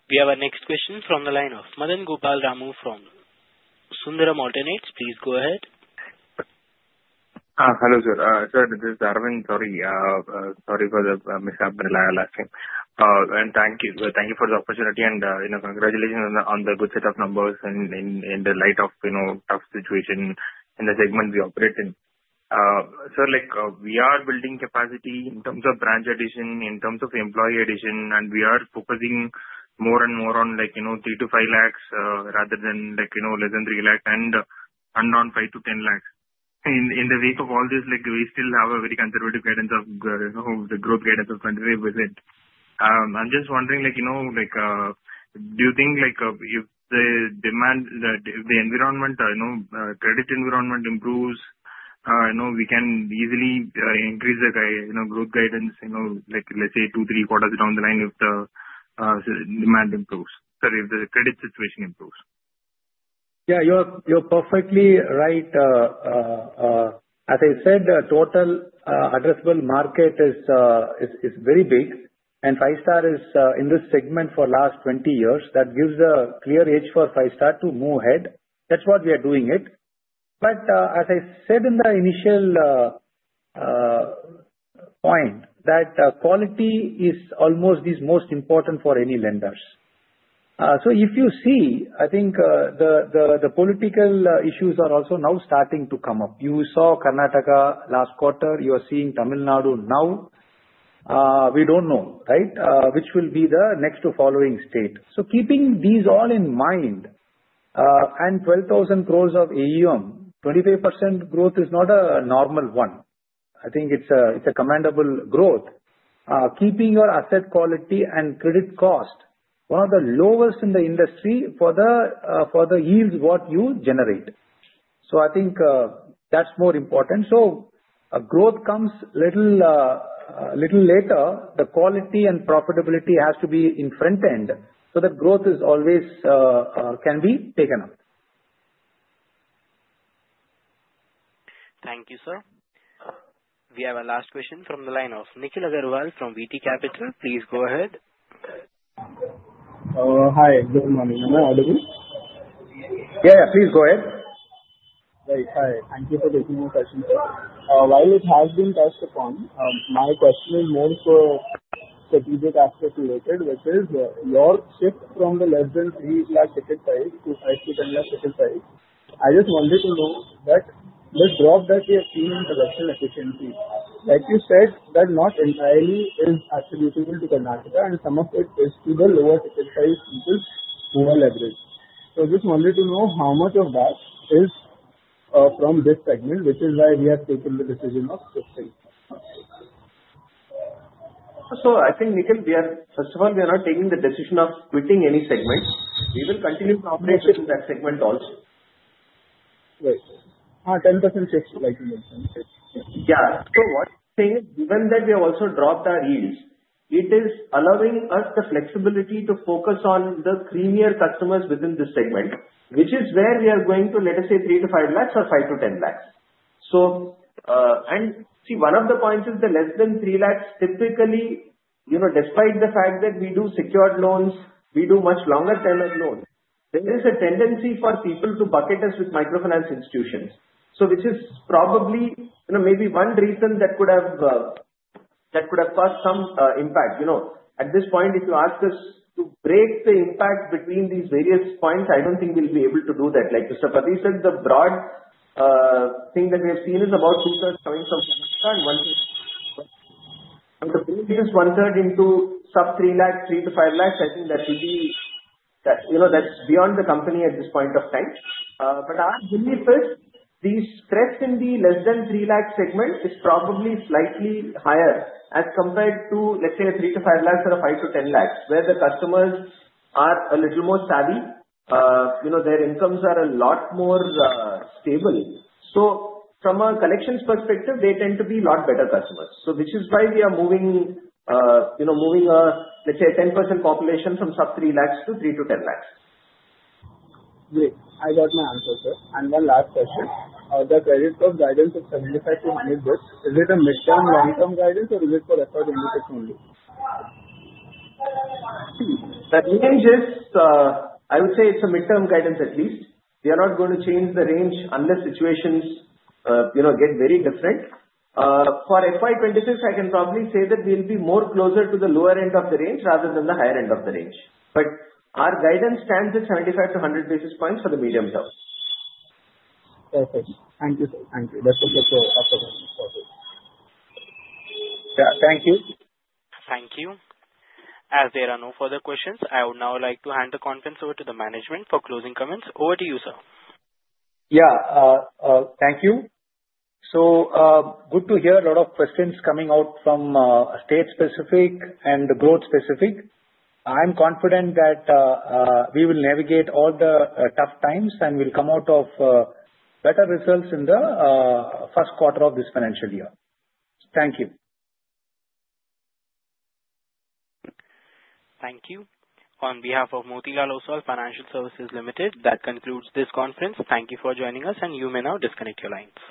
We have our next question from the line of Madan Gopal Ramu from Sundaram Alternates. Please go ahead. Hello, sir. Sir, this is Aravind. Sorry for the mishap in the last name. Thank you for the opportunity. Congratulations on the good set of numbers in the light of the tough situation in the segment we operate in. Sir, we are building capacity in terms of branch addition, in terms of employee addition, and we are focusing more and more on 3 lakh-5 lakh rather than less than 3 lakh and around 5 lakh-10 lakh. In the wake of all this, we still have a very conservative guidance of the growth guidance of 25%. I'm just wondering, do you think if the environment, credit environment improves, we can easily increase the growth guidance, let's say, two-three quarters down the line if the demand improves? Sorry, if the credit situation improves. Yeah. You're perfectly right. As I said, total addressable market is very big. And Five-Star is in this segment for the last 20 years. That gives a clear edge for Five-Star to move ahead. That's why we are doing it. As I said in the initial point, that quality is almost the most important for any lenders. If you see, I think the political issues are also now starting to come up. You saw Karnataka last quarter. You are seeing Tamil Nadu now. We don't know, right, which will be the next following state. Keeping these all in mind, and 12,000 crores of AUM, 25% growth is not a normal one. I think it's a commendable growth. Keeping your asset quality and credit cost one of the lowest in the industry for the yields what you generate. I think that's more important. Growth comes a little later. The quality and profitability has to be in front end. The growth can be taken up. Thank you, sir. We have our last question from the line of Nikhil Agarwal from VT Capital. Please go ahead. Hi. Good morning. Am I audible? Yeah, yeah. Please go ahead. Right. Hi. Thank you for taking my question, sir. While it has been touched upon, my question is more so strategic aspect related, which is your shift from the less than 3 lakh ticket size to 5 lakh-10 lakh ticket size. I just wanted to know that the drop that you have seen in production efficiency, like you said, that not entirely is attributable to Karnataka, and some of it is to the lower ticket size people who are leveraged. I just wanted to know how much of that is from this segment, which is why we have taken the decision of shifting. I think, Nikhil, first of all, we are not taking the decision of quitting any segment. We will continue to operate in that segment also. Right. 10% shift, like you mentioned. Yeah. What we are saying is, given that we have also dropped our yields, it is allowing us the flexibility to focus on the creamier customers within this segment, which is where we are going to, let us say, 3 lakh-5 lakh or 5 lakh-10 lakh. See, one of the points is the less than 3 lakh, typically, despite the fact that we do secured loans, we do much longer term of loan, there is a tendency for people to bucket us with microfinance institutions, which is probably maybe one reason that could have caused some impact. At this point, if you ask us to break the impact between these various points, I do not think we will be able to do that. Like Mr. Pathy said, the broad thing that we have seen is about 2/3 coming from Karnataka. The point is one-third into sub 3 lakh, 3 lakh-5 lakh. I think that would be that's beyond the company at this point of time. Our belief is the stress in the less than 3 lakh segment is probably slightly higher as compared to, let's say, 3 lakh-5 lakh or 5 lakh-10 lakh, where the customers are a little more savvy. Their incomes are a lot more stable. From a collections perspective, they tend to be a lot better customers, which is why we are moving, let's say, a 10% population from sub 3 lakh to 3 lakh-10 lakh. Great. I got my answer, sir. One last question. The credit cost guidance of 75 to 100 basis points, is it a midterm long-term guidance, or is it for effort indicators only? The range is, I would say, it's a midterm guidance at least. We are not going to change the range unless situations get very different. For FY 2026, I can probably say that we'll be more closer to the lower end of the range rather than the higher end of the range. Our guidance stands at 75-100 basis points for the medium term. Perfect. Thank you, sir. Thank you. That was just a question. Yeah. Thank you. Thank you. As there are no further questions, I would now like to hand the conference over to the management for closing comments. Over to you, sir. Thank you. Good to hear a lot of questions coming out from state-specific and growth-specific. I'm confident that we will navigate all the tough times and will come out with better results in the first quarter of this financial year. Thank you. Thank you. On behalf of Motilal Oswal Financial Services Limited, that concludes this conference. Thank you for joining us, and you may now disconnect your lines.